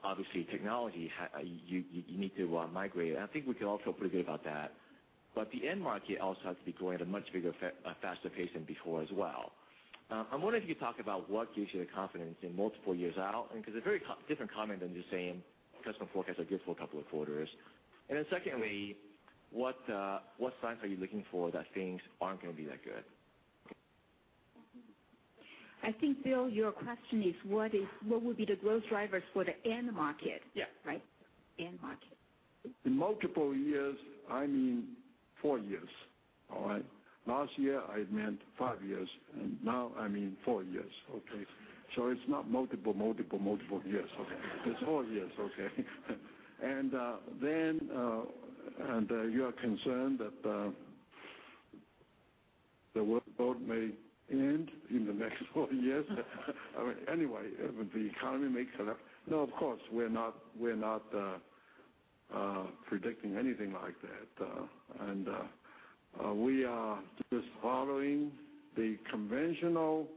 obviously technology, you need to migrate. I think we can all feel pretty good about that. The end market also has to be growing at a much bigger, faster pace than before as well. I'm wondering if you could talk about what gives you the confidence in multiple years out, because a very different comment than just saying customer forecast are good for a couple of quarters. Then secondly, what signs are you looking for that things aren't going to be that good? I think, Bill, your question is what would be the growth drivers for the end market- Yeah right? End market. In multiple years, I mean four years. All right? Last year, I meant five years, and now I mean four years. Okay? It's not multiple, multiple years, okay? It's four years, okay? You are concerned that the world may end in the next four years? Anyway, the economy may collapse. No, of course, we're not predicting anything like that. We are just following the conventional,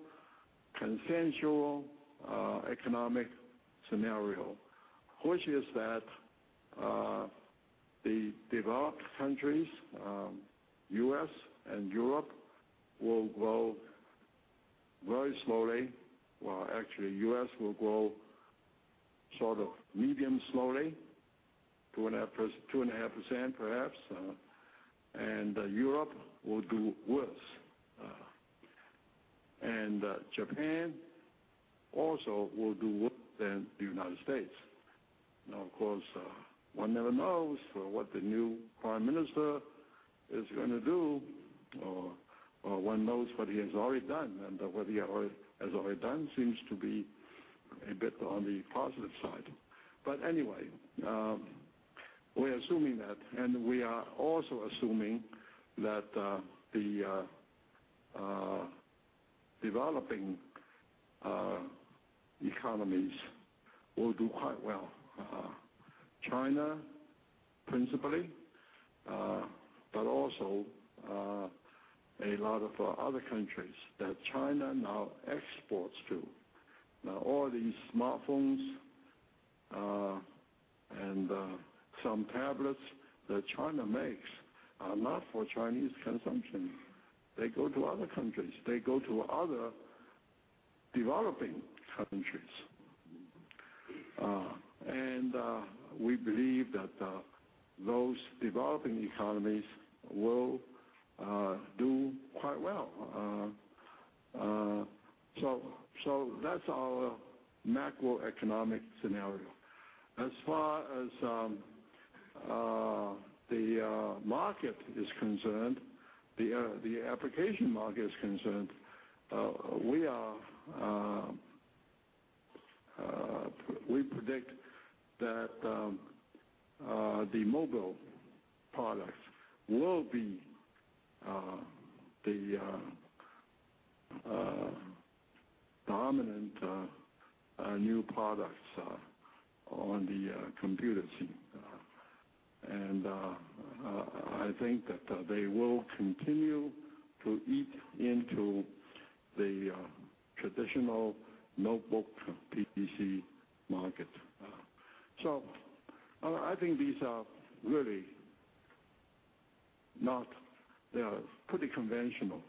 consensual economic scenario, which is that the developed countries, U.S. and Europe, will grow very slowly. Well, actually, U.S. will grow sort of medium slowly, 2.5% perhaps, Europe will do worse. Japan also will do worse than the U.S. Now, of course, one never knows what the new prime minister is going to do, or one knows what he has already done, and what he has already done seems to be a bit on the positive side. Anyway, we're assuming that, and we are also assuming that the developing economies will do quite well. China, principally, but also a lot of other countries that China now exports to. Now, all these smartphones and some tablets that China makes are not for Chinese consumption. They go to other countries. They go to other developing countries. We believe that those developing economies will do quite well. That's our macroeconomic scenario. As far as the market is concerned, the application market is concerned, we predict that the mobile products will be the dominant new products on the computer scene. I think that they will continue to eat into the traditional notebook PC market. I think these are pretty conventional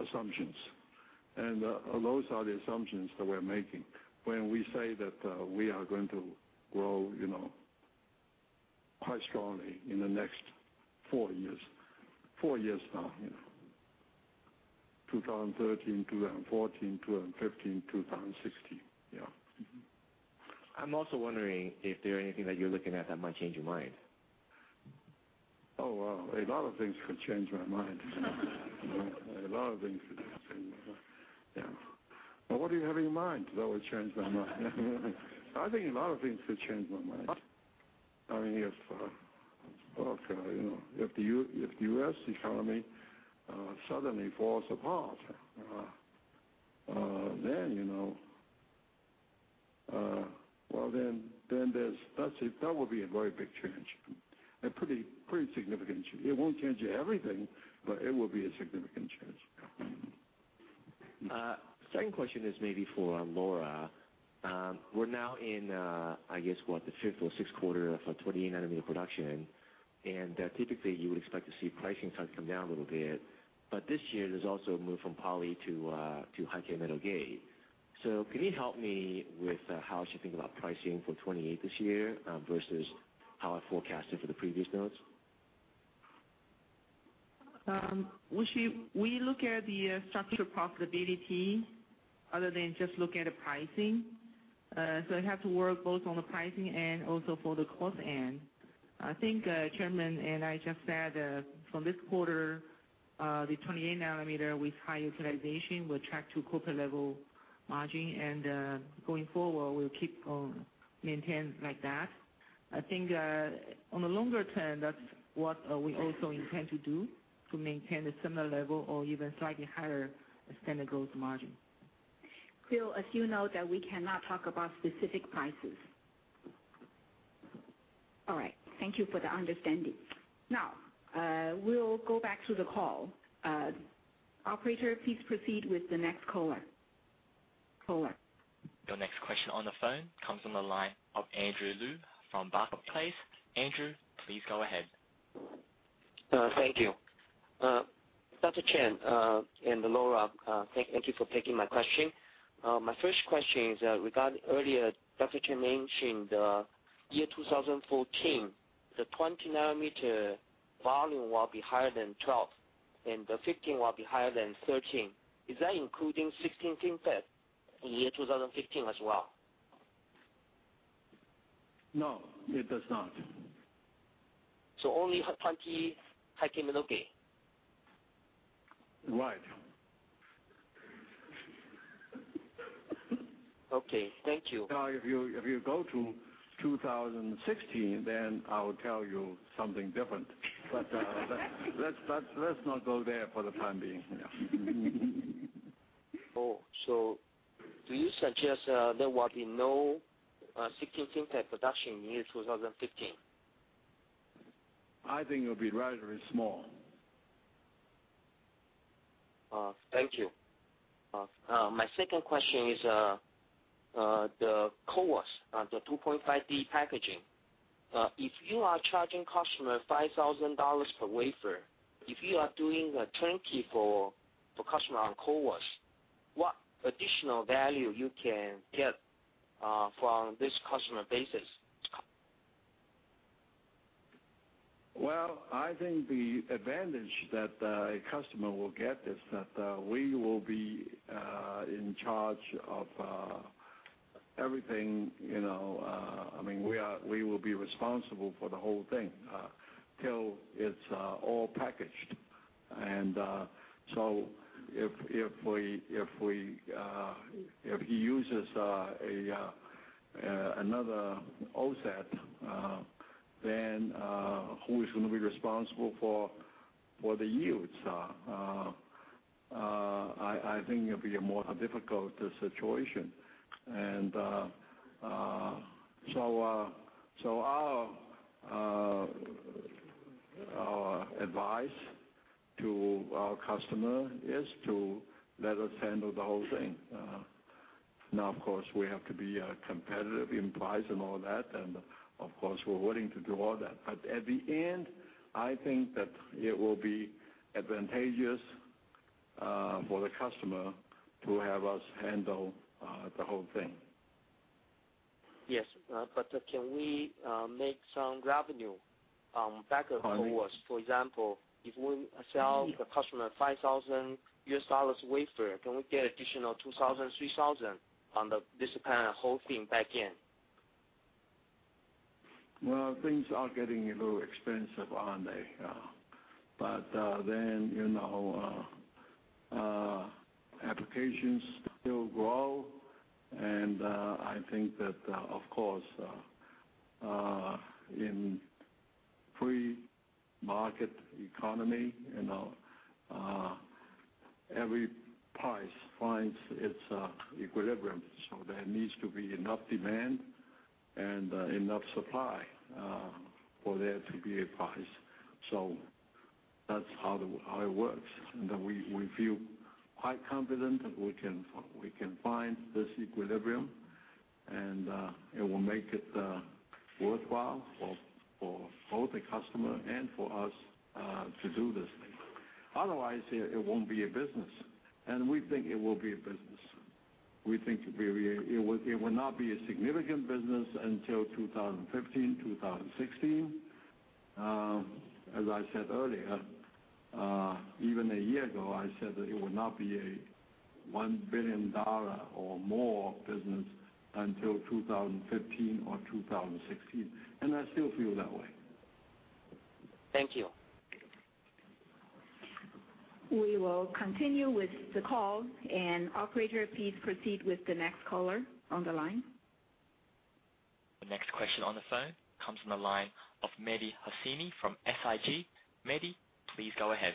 assumptions, and those are the assumptions that we're making when we say that we are going to grow quite strongly in the next 4 years now, 2013, 2014, 2015, 2016. Yeah. I'm also wondering if there is anything that you're looking at that might change your mind. Oh, wow. A lot of things could change my mind. A lot of things. Yeah. What do you have in mind that would change my mind? I think a lot of things could change my mind. If the U.S. economy suddenly falls apart, that would be a very big change, a pretty significant change. It won't change everything, but it would be a significant change. Second question is maybe for Lora. We're now in, I guess, what? The fifth or sixth quarter of 28-nanometer production, and typically, you would expect to see pricing start to come down a little bit. This year, there's also a move from poly to High-k/Metal Gate. Can you help me with how I should think about pricing for 28 this year, versus how I forecasted for the previous nodes? We look at the structural profitability other than just look at the pricing. It has to work both on the pricing and also for the cost end. I think Chairman and I just said that from this quarter, the 28-nanometer with high utilization will track to corporate level margin, and going forward, we'll keep on maintaining like that. I think on the longer term, that's what we also intend to do, to maintain a similar level or even slightly higher standard gross margin. Phil, as you know, that we cannot talk about specific prices. All right. Thank you for the understanding. We'll go back to the call. Operator, please proceed with the next caller. Your next question on the phone comes from the line of Andrew Lu from Barcap. Andrew, please go ahead. Thank you. Dr. Chen and Lora, thank you for taking my question. My first question is regarding earlier, Dr. Chen mentioned the year 2014, the 20 nm volume will be higher than 12, and the 15 will be higher than 13. Is that including 16nm FinFET in year 2015 as well? No, it does not. Only 20 High-k/Metal Gate? Right. Okay. Thank you. If you go to 2016, then I will tell you something different. Let's not go there for the time being. Do you suggest there will be no 16nm FinFET production in year 2015? I think it'll be relatively small. Thank you. My second question is, the CoWoS, the 2.5D packaging. If you are charging customer 5,000 dollars per wafer, if you are doing a turnkey for customer on CoWoS, what additional value you can get from this customer basis? Well, I think the advantage that a customer will get is that we will be in charge of everything, we will be responsible for the whole thing, till it's all packaged. If he uses another OSAT, who is going to be responsible for the yields? I think it'll be a more difficult situation. Our advice to our customer is to let us handle the whole thing. Of course, we have to be competitive in price and all that, of course, we're willing to do all that. At the end, I think that it will be advantageous for the customer to have us handle the whole thing. Yes. Can we make some revenue back for us? For example, if we sell the customer $5,000 wafer, can we get additional $2,000, $3,000 on the whole thing back in? Well, things are getting a little expensive, aren't they? Applications still grow, and I think that, of course, in free market economy, every price finds its equilibrium, so there needs to be enough demand and enough supply for there to be a price. That's how it works. We feel quite confident that we can find this equilibrium, and it will make it worthwhile for both the customer and for us to do this thing. Otherwise, it won't be a business, and we think it will be a business. We think it will not be a significant business until 2015, 2016. As I said earlier, even a year ago, I said that it would not be a 1 billion dollar or more business until 2015 or 2016, and I still feel that way. Thank you. We will continue with the call. Operator, please proceed with the next caller on the line. The next question on the phone comes from the line of Mehdi Hosseini from SIG. Mehdi, please go ahead.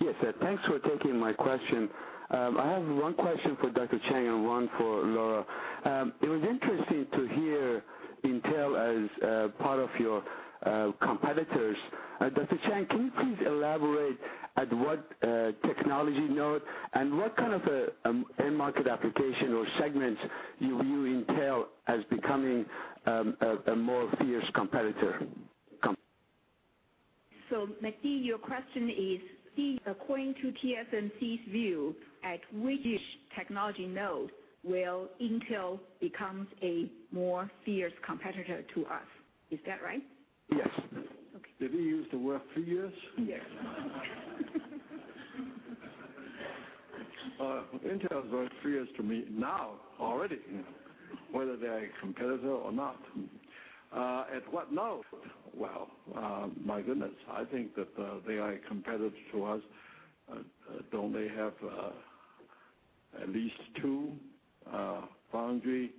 Yes. Thanks for taking my question. I have one question for Dr. Chiang and one for Laura. It was interesting to hear Intel as part of your competitors. Dr. Chiang, can you please elaborate at what technology node and what kind of end market application or segments you view Intel as becoming a more fierce competitor? Mehdi, your question is, according to TSMC's view, at which technology node will Intel becomes a more fierce competitor to us? Is that right? Yes. Okay. Did he use the word fierce? Yes. Intel is very fierce to me now, already, whether they are a competitor or not. At what node? Well, my goodness, I think that they are a competitor to us. Don't they have at least two foundry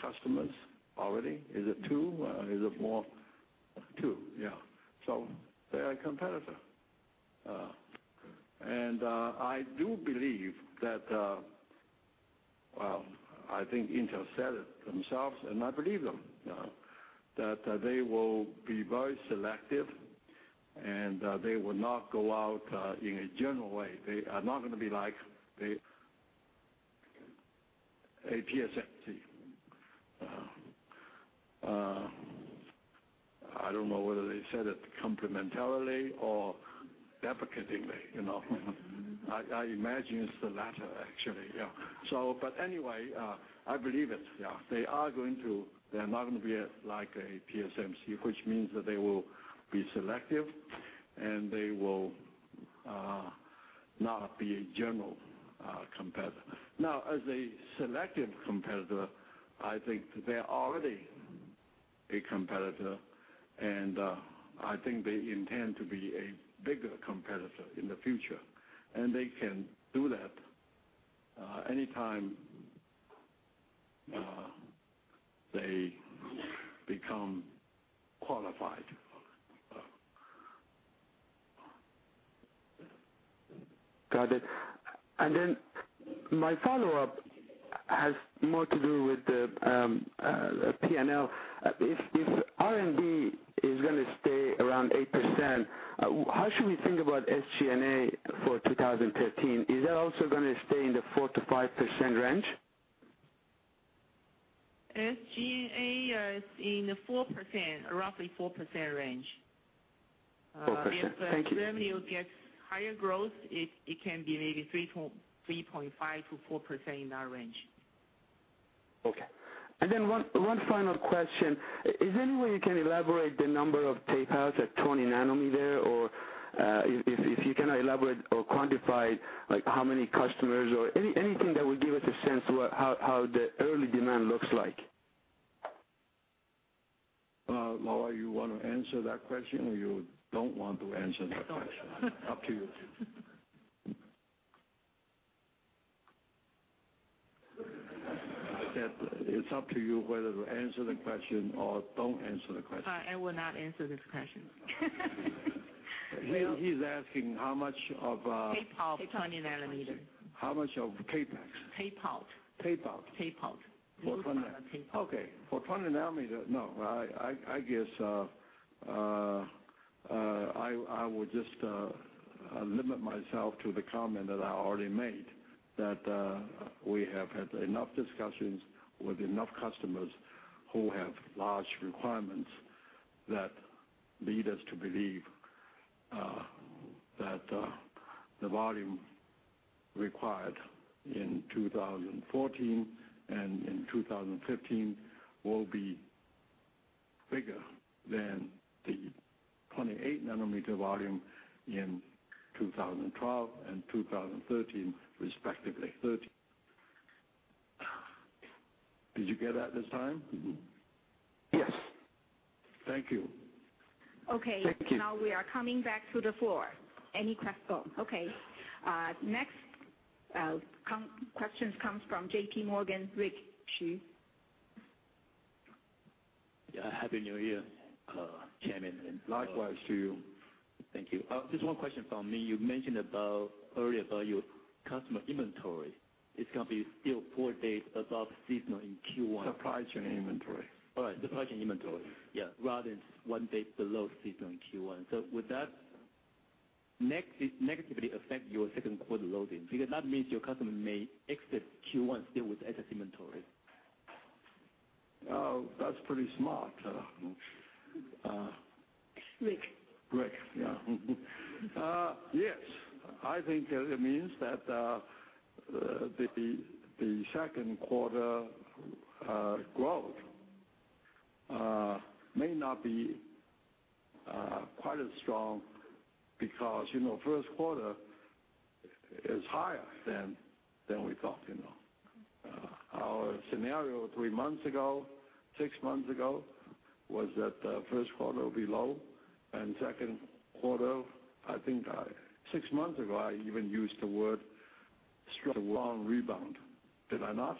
customers already? Is it two? Is it more? Two, yeah. They are a competitor. I do believe that Well, I think Intel said it themselves, and I believe them, that they will be very selective and that they will not go out in a general way. They are not going to be like a PSMC. I don't know whether they said it complementarily or deprecatingly. I imagine it's the latter, actually. Yeah. Anyway, I believe it. Yeah. They're not going to be like a PSMC, which means that they will be selective, and they will not be a general competitor. As a selective competitor, I think they're already a competitor, and I think they intend to be a bigger competitor in the future. They can do that anytime they become qualified. Got it. My follow-up has more to do with the P&L. If R&D is going to stay around 8%, how should we think about SG&A for 2015? Is that also going to stay in the 4%-5% range? SG&A is in the 4%, roughly 4% range. 4%. Thank you. If revenue gets higher growth, it can be maybe 3.5%-4% in that range. Okay. One final question. Is there any way you can elaborate the number of tape-outs at 20 nm, or if you can elaborate or quantify how many customers or anything that would give us a sense how the early demand looks like? Lora, you want to answer that question, or you don't want to answer that question? I don't. Up to you. I said it's up to you whether to answer the question or don't answer the question. I will not answer this question. He's asking how much of- Tape-out, 20 nm. Tape-out. How much of CapEx? Tape-out. Tape-out. Tape-out. For 20. Okay. For 20 nm, no. I guess I would just limit myself to the comment that I already made, that we have had enough discussions with enough customers who have large requirements that lead us to believe that the volume required in 2014 and in 2015 will be bigger than the 28-nanometer volume in 2012 and 2013, respectively. Did you get that this time? Yes. Thank you. Okay. Thank you. Now we are coming back to the floor. Any question? Okay. Next question comes from J.P. Morgan, Rick Hsu. Yeah. Happy New Year, Chairman. Likewise to you. Thank you. Just one question from me. You mentioned earlier about your customer inventories. It's going to be still four days above seasonal in Q1. Supply chain inventory. All right. Supply chain inventory. Yeah, rather than one day below seasonal in Q1. Would that negatively affect your second quarter loading? That means your customer may exit Q1 still with excess inventory. Oh, that's pretty smart. Rick. Rick, yeah. Yes. I think it means that the second quarter growth may not be quite as strong because first quarter is higher than we thought. Our scenario three months ago, six months ago, was that first quarter will be low, and second quarter, I think six months ago, I even used the word strong rebound. Did I not,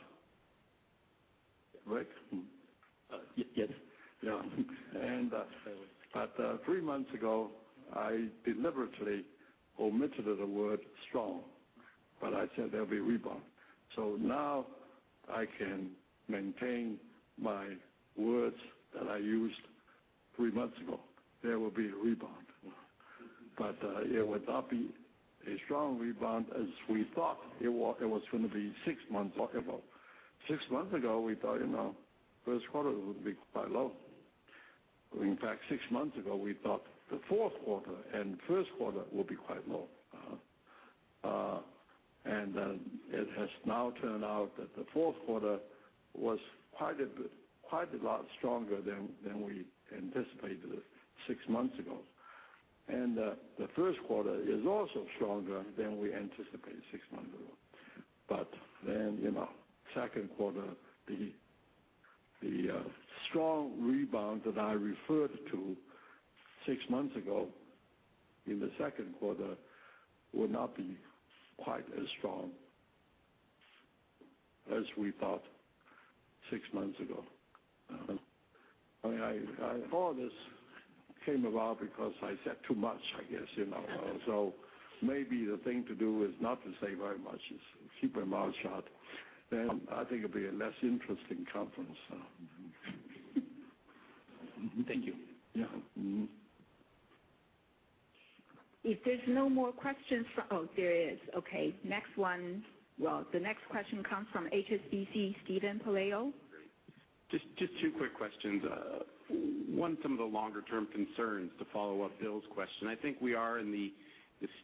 Rick? Yes. Yeah. Three months ago, I deliberately omitted the word strong, but I said there'll be a rebound. Now I can maintain my words that I used three months ago. There will be a rebound. It would not be a strong rebound as we thought it was going to be six months ago. Six months ago, we thought first quarter would be quite low. In fact, six months ago, we thought the fourth quarter and first quarter will be quite low. It has now turned out that the fourth quarter was quite a lot stronger than we anticipated six months ago. The first quarter is also stronger than we anticipated six months ago. Second quarter, the strong rebound that I referred to six months ago in the second quarter will not be quite as strong as we thought six months ago. All this came about because I said too much, I guess. Maybe the thing to do is not to say very much, is keep my mouth shut. I think it'll be a less interesting conference. Thank you. Yeah. Mm-hmm. If there's no more questions for Oh, there is. Okay. Next one. The next question comes from HSBC, Steven Pelayo. Just two quick questions. One, some of the longer-term concerns to follow up Bill's question. I think we are in the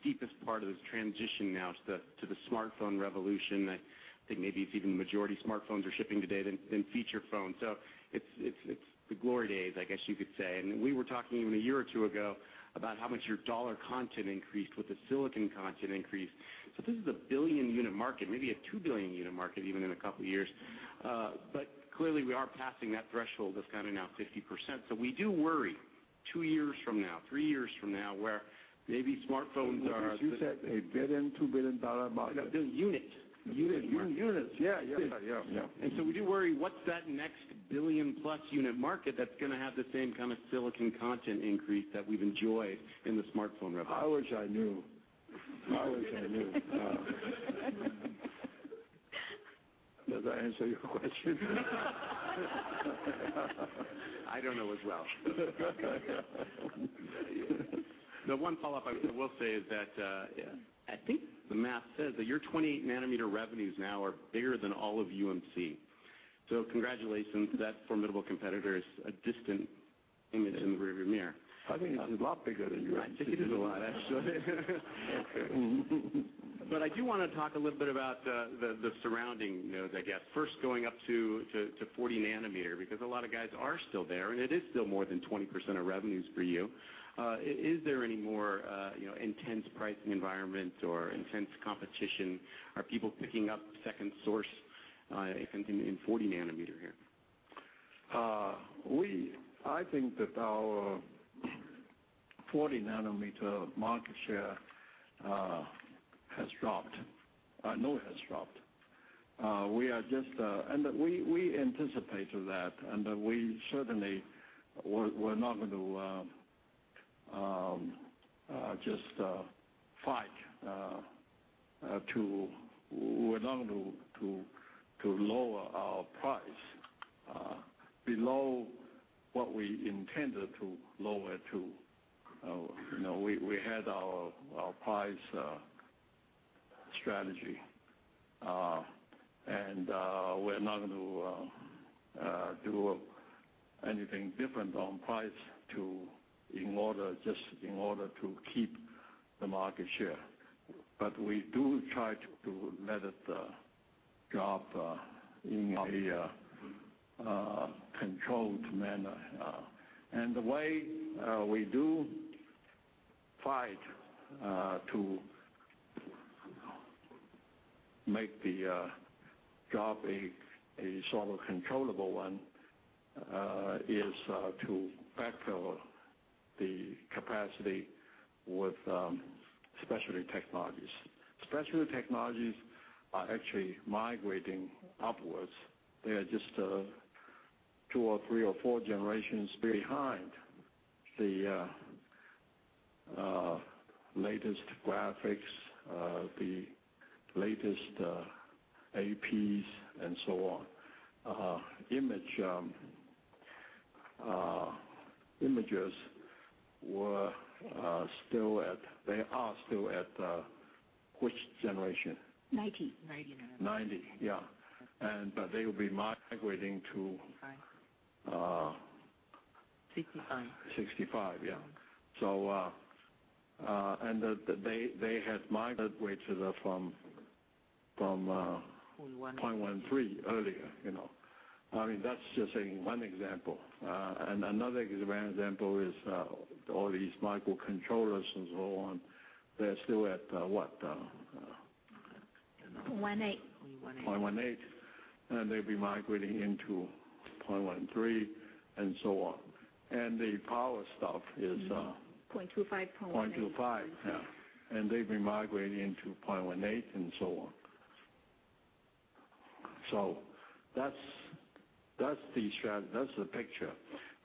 steepest part of this transition now to the smartphone revolution. I think maybe it's even majority smartphones are shipping today than feature phones. It's the glory days, I guess you could say. We were talking even a year or two ago about how much your dollar content increased with the silicon content increase. This is a billion unit market, maybe a two billion unit market even in a couple of years. Clearly, we are passing that threshold that's kind of now 50%. We do worry two years from now, three years from now, where maybe smartphones are- You said a billion, two billion dollar market. No, billion unit. Unit. Units. Yeah. We do worry, what's that next billion-plus unit market that's going to have the same kind of silicon content increase that we've enjoyed in the smartphone revolution? I wish I knew. I wish I knew. Does that answer your question? I don't know as well. The one follow-up I will say is that, I think the math says that your 20 nm revenues now are bigger than all of UMC. Congratulations. That formidable competitor is a distant image in the rear view mirror. I think it's a lot bigger than yours. I think it is a lot, actually. I do want to talk a little bit about the surrounding nodes, I guess. First going up to 40 nm, because a lot of guys are still there, and it is still more than 20% of revenues for you. Is there any more intense pricing environment or intense competition? Are people picking up second source in 40 nm here? I think that our 40 nm market share has dropped. I know it has dropped. We anticipated that, we certainly were not going to lower our price below what we intended to lower it to. We had our price strategy, we're not going to do anything different on price just in order to keep the market share. We do try to let it drop in a controlled manner. The way we do fight to make the drop a sort of controllable one is to backfill the capacity with specialty technologies. Specialty technologies are actually migrating upwards. They are just two or three or four generations behind the latest graphics, the latest APs, and so on. Images are still at, which generation? 90. 90 nanometer. 90, yeah. They will be migrating. Five. 65. 65, yeah. They had migrated. 0.1 0.13 earlier. That's just one example. Another example is all these microcontrollers and so on, they're still at, what? 0.18. 0.18. 0.18. They'll be migrating into 0.13, and so on. The power stuff is. 0.25, 0.18 0.25, yeah. They've been migrating into 0.18, and so on. That's the picture.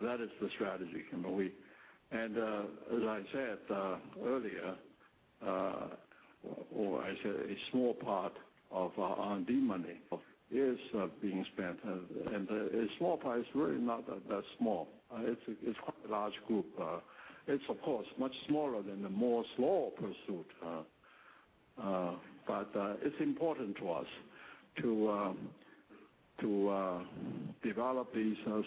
That is the strategy. As I said earlier, a small part of our R&D money is being spent, and a small part is really not that small. It's quite a large group. It's of course much smaller than the Moore's Law pursuit. It's important to us to develop these, to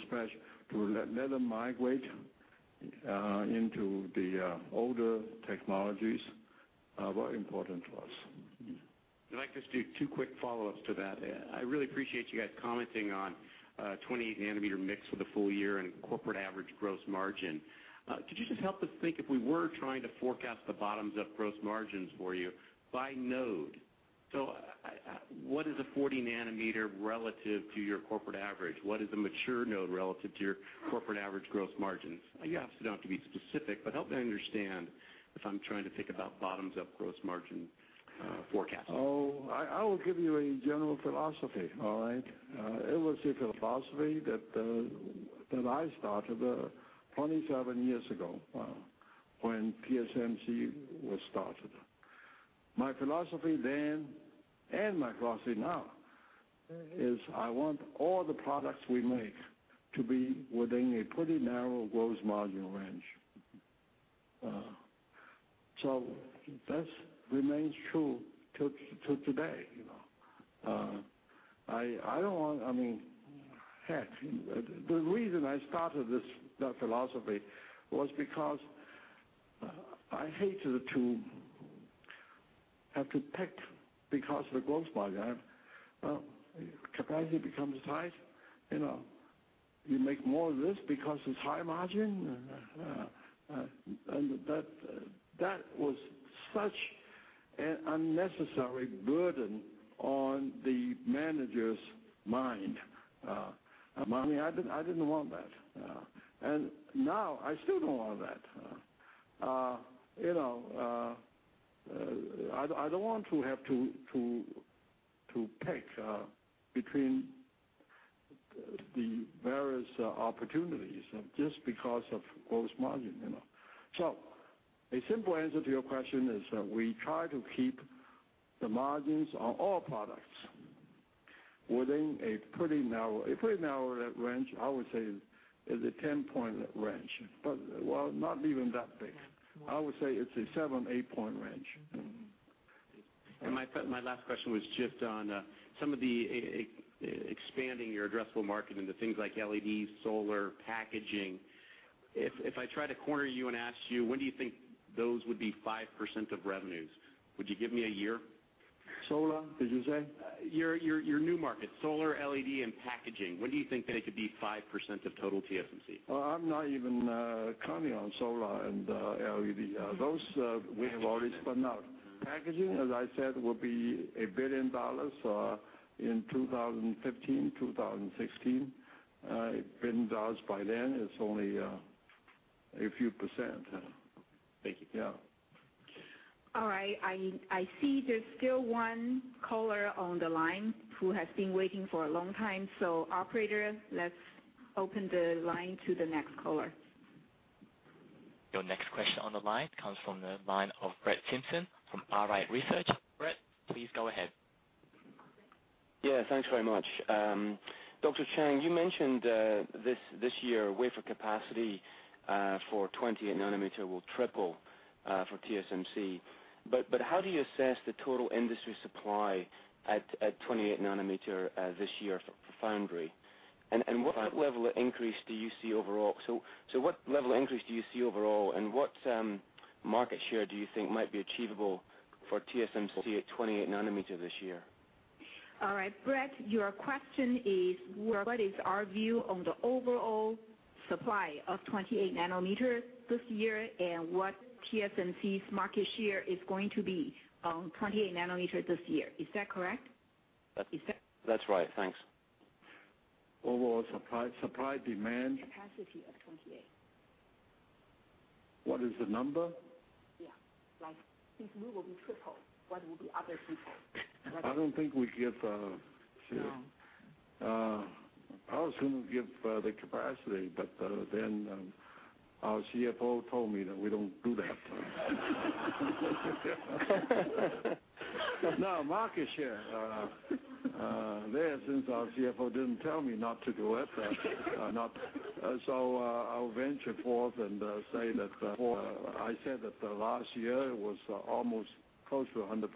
let them migrate into the older technologies. Very important to us. If I could just do two quick follow-ups to that. I really appreciate you guys commenting on 28-nanometer mix for the full year and corporate average gross margin. Could you just help us think if we were trying to forecast the bottoms-up gross margins for you by node? What is a 40 nm relative to your corporate average? What is a mature node relative to your corporate average gross margins? You obviously don't have to be specific, but help me understand if I'm trying to think about bottoms-up gross margin forecasting. I will give you a general philosophy, all right? It was a philosophy that I started 27 years ago when TSMC was started. My philosophy then and my philosophy now is I want all the products we make to be within a pretty narrow gross margin range. That remains true till today. The reason I started that philosophy was because I hated to have to pick because of the gross margin. Capacity becomes tight, you make more of this because it's high margin, and that was such an unnecessary burden on the manager's mind. I didn't want that. Now I still don't want that. I don't want to have to pick between the various opportunities just because of gross margin. A simple answer to your question is that we try to keep the margins on all products within a pretty narrow range. I would say it's a 10-point range. Well, not even that big. I would say it's a seven, eight-point range. My last question was just on some of the expanding your addressable market into things like LED, solar, packaging. If I try to corner you and ask you, when do you think those would be 5% of revenues, would you give me a year? Solar, did you say? Your new market, solar, LED, and packaging. When do you think they could be 5% of total TSMC? Oh, I'm not even counting on solar and LED. Those we have already spun out. Packaging, as I said, will be 1 billion dollars in 2015, 2016. 1 billion dollars by then is only a few %. Thank you. Yeah. All right. I see there's still one caller on the line who has been waiting for a long time, operator, let's open the line to the next caller. Your next question on the line comes from the line of Brett Simpson from Arete Research. Brett, please go ahead. Yeah, thanks very much. Dr. Chang, you mentioned this year, wafer capacity for 28 nanometer will triple for TSMC. How do you assess the total industry supply at 28 nanometer this year for foundry? What level of increase do you see overall? What level of increase do you see overall, and what market share do you think might be achievable for TSMC at 28 nanometer this year? All right, Brett, your question is, what is our view on the overall supply of 28 nanometers this year, and what TSMC's market share is going to be on 28 nanometer this year. Is that correct? That's right, thanks. Overall supply, demand? Capacity of 28. What is the number? Yeah. Like, since we will be triple, what will be other people? I don't think we give No. I was going to give the capacity, our CFO told me that we don't do that. Market share. Since our CFO didn't tell me not to do it, I'll venture forth and say that I said that the last year was almost close to 100%.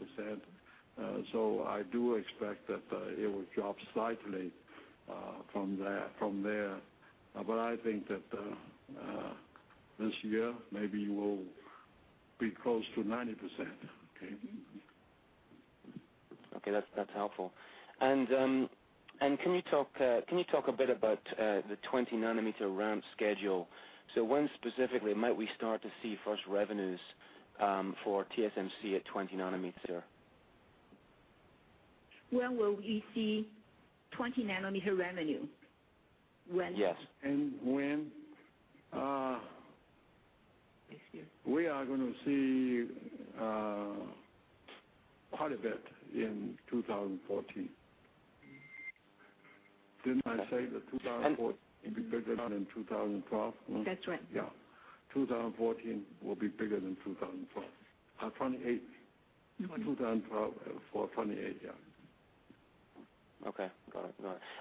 I do expect that it will drop slightly from there. I think that this year, maybe we'll be close to 90%. Okay. Okay, that's helpful. Can you talk a bit about the 20 nm ramp schedule? When specifically might we start to see first revenues for TSMC at 20 nm? When will we see 20 nm revenue? When? Yes. When? This year. We are going to see part of it in 2014. Didn't I say that 2014 will be bigger than 2012? That's right. Yeah. 2014 will be bigger than 2012 at 28. 2012 for 28, yeah. Okay, got it.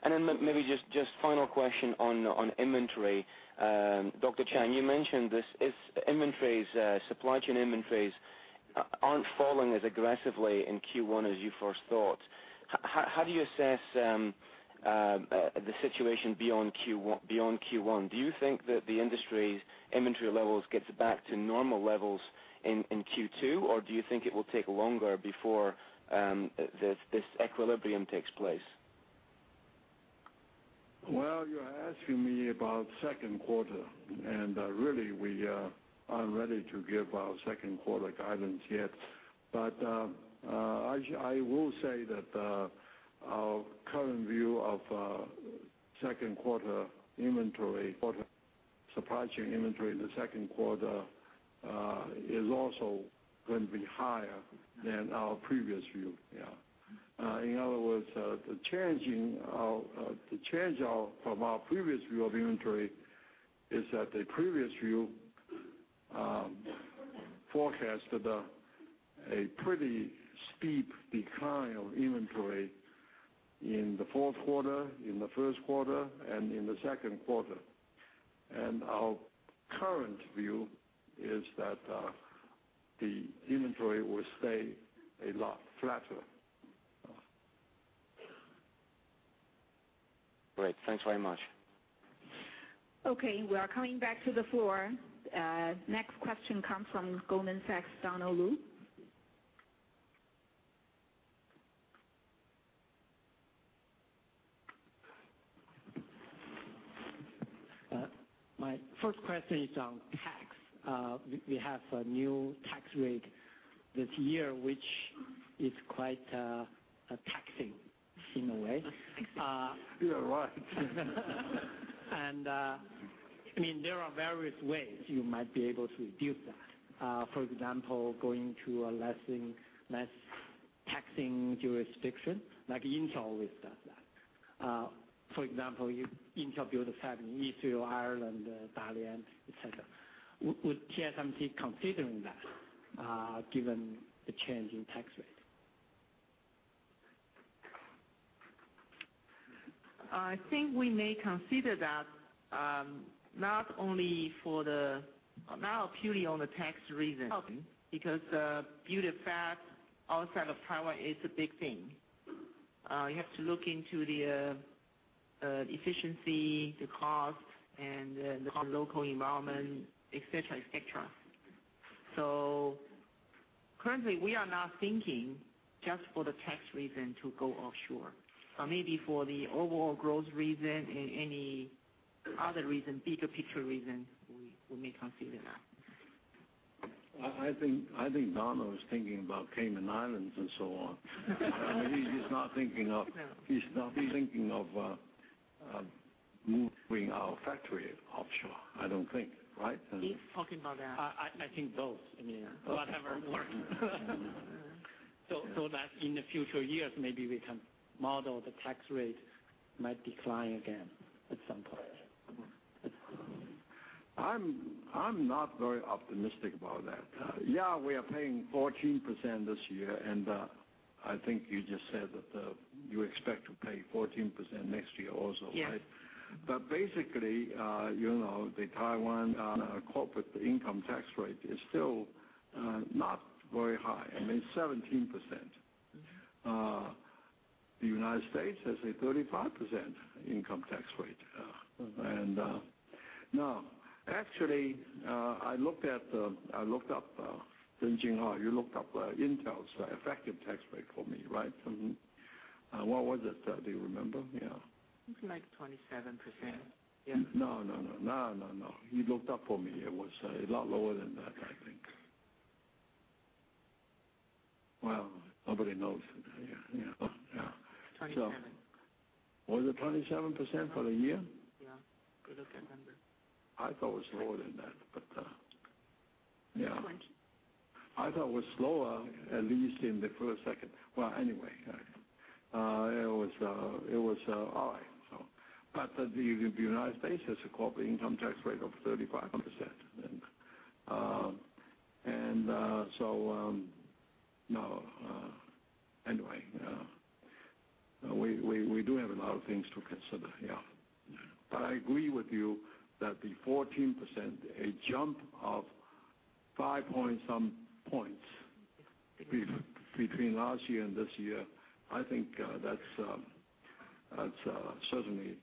Then maybe just final question on inventory. Dr. Chang, you mentioned this, if inventories, supply chain inventories, aren't falling as aggressively in Q1 as you first thought, how do you assess the situation beyond Q1? Do you think that the industry's inventory levels gets back to normal levels in Q2, or do you think it will take longer before this equilibrium takes place? Well, you're asking me about second quarter, and really we aren't ready to give our second quarter guidance yet. I will say that our current view of second quarter inventory, supply chain inventory in the second quarter, is also going to be higher than our previous view. Yeah. In other words, the change from our previous view of inventory is that the previous view forecasted a pretty steep decline of inventory in the fourth quarter, in the first quarter, and in the second quarter. Our current view is that the inventory will stay a lot flatter. Great. Thanks very much. Okay, we are coming back to the floor. Next question comes from Goldman Sachs, Donald Lu. My first question is on tax. We have a new tax rate this year, which is quite taxing in a way. You are right. There are various ways you might be able to reduce that. For example, going to a less taxing jurisdiction, like Intel always does that. For example, Intel built a fab in Israel, Ireland, Dalian, et cetera. Would TSMC consider that given the change in tax rate? I think we may consider that not purely on the tax reason. Okay. Beauty of fact, outside of Taiwan, it's a big thing. You have to look into the efficiency, the cost, and the local environment, et cetera. Currently, we are not thinking just for the tax reason to go offshore. Maybe for the overall growth reason and any other reason, bigger picture reason, we may consider that. I think Donald is thinking about Cayman Islands and so on. No he's not thinking of moving our factory offshore, I don't think. Right? He's talking about that. I think both. I mean, whatever works. That in the future years, maybe we can model the tax rate might decline again at some point. I'm not very optimistic about that. Yeah, we are paying 14% this year. I think you just said that you expect to pay 14% next year also, right? Yes. Basically, the Taiwan corporate income tax rate is still not very high. I mean, 17%. The U.S. has a 35% income tax rate. Now, actually, I looked up, Morris Chang, you looked up Intel's effective tax rate for me, right? What was it? Do you remember? Yeah. It's like 27%. Yeah. No. You looked up for me. It was a lot lower than that, I think. Well, nobody knows. Yeah. 27. Was it 27% for the year? Yeah. Good looking number. I thought it was lower than that, but yeah. 20. I thought it was lower, at least in the first, second. Well, anyway. It was all right. The United States has a corporate income tax rate of 35%. No. Anyway, we do have a lot of things to consider, yeah. I agree with you that the 14%, a jump of five point some points. Six between last year and this year, I think that's certainly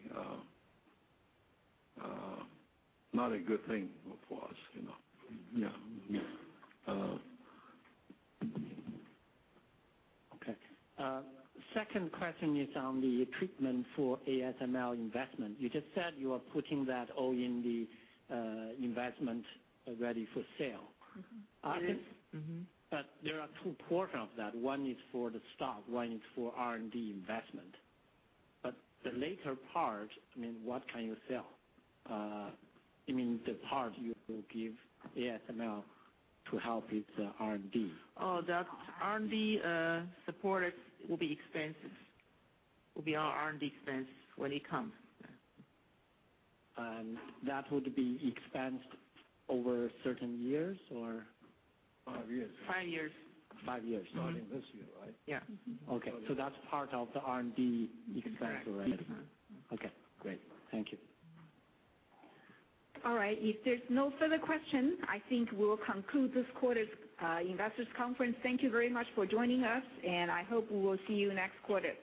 not a good thing for us. Yeah. Okay. Second question is on the treatment for ASML investment. You just said you are putting that all in the investment ready for sale. There are two portion of that. One is for the stock, one is for R&D investment. The later part, I mean, what can you sell? You mean the part you will give ASML to help with the R&D. Oh, that R&D support will be expenses, will be our R&D expense when it comes. That would be expensed over certain years or? Five years. Five years. Five years. Starting this year, right? Yeah. Okay, that's part of the R&D expense already. Correct. Okay, great. Thank you. All right. If there's no further questions, I think we'll conclude this quarter's investors conference. Thank you very much for joining us, and I hope we will see you next quarter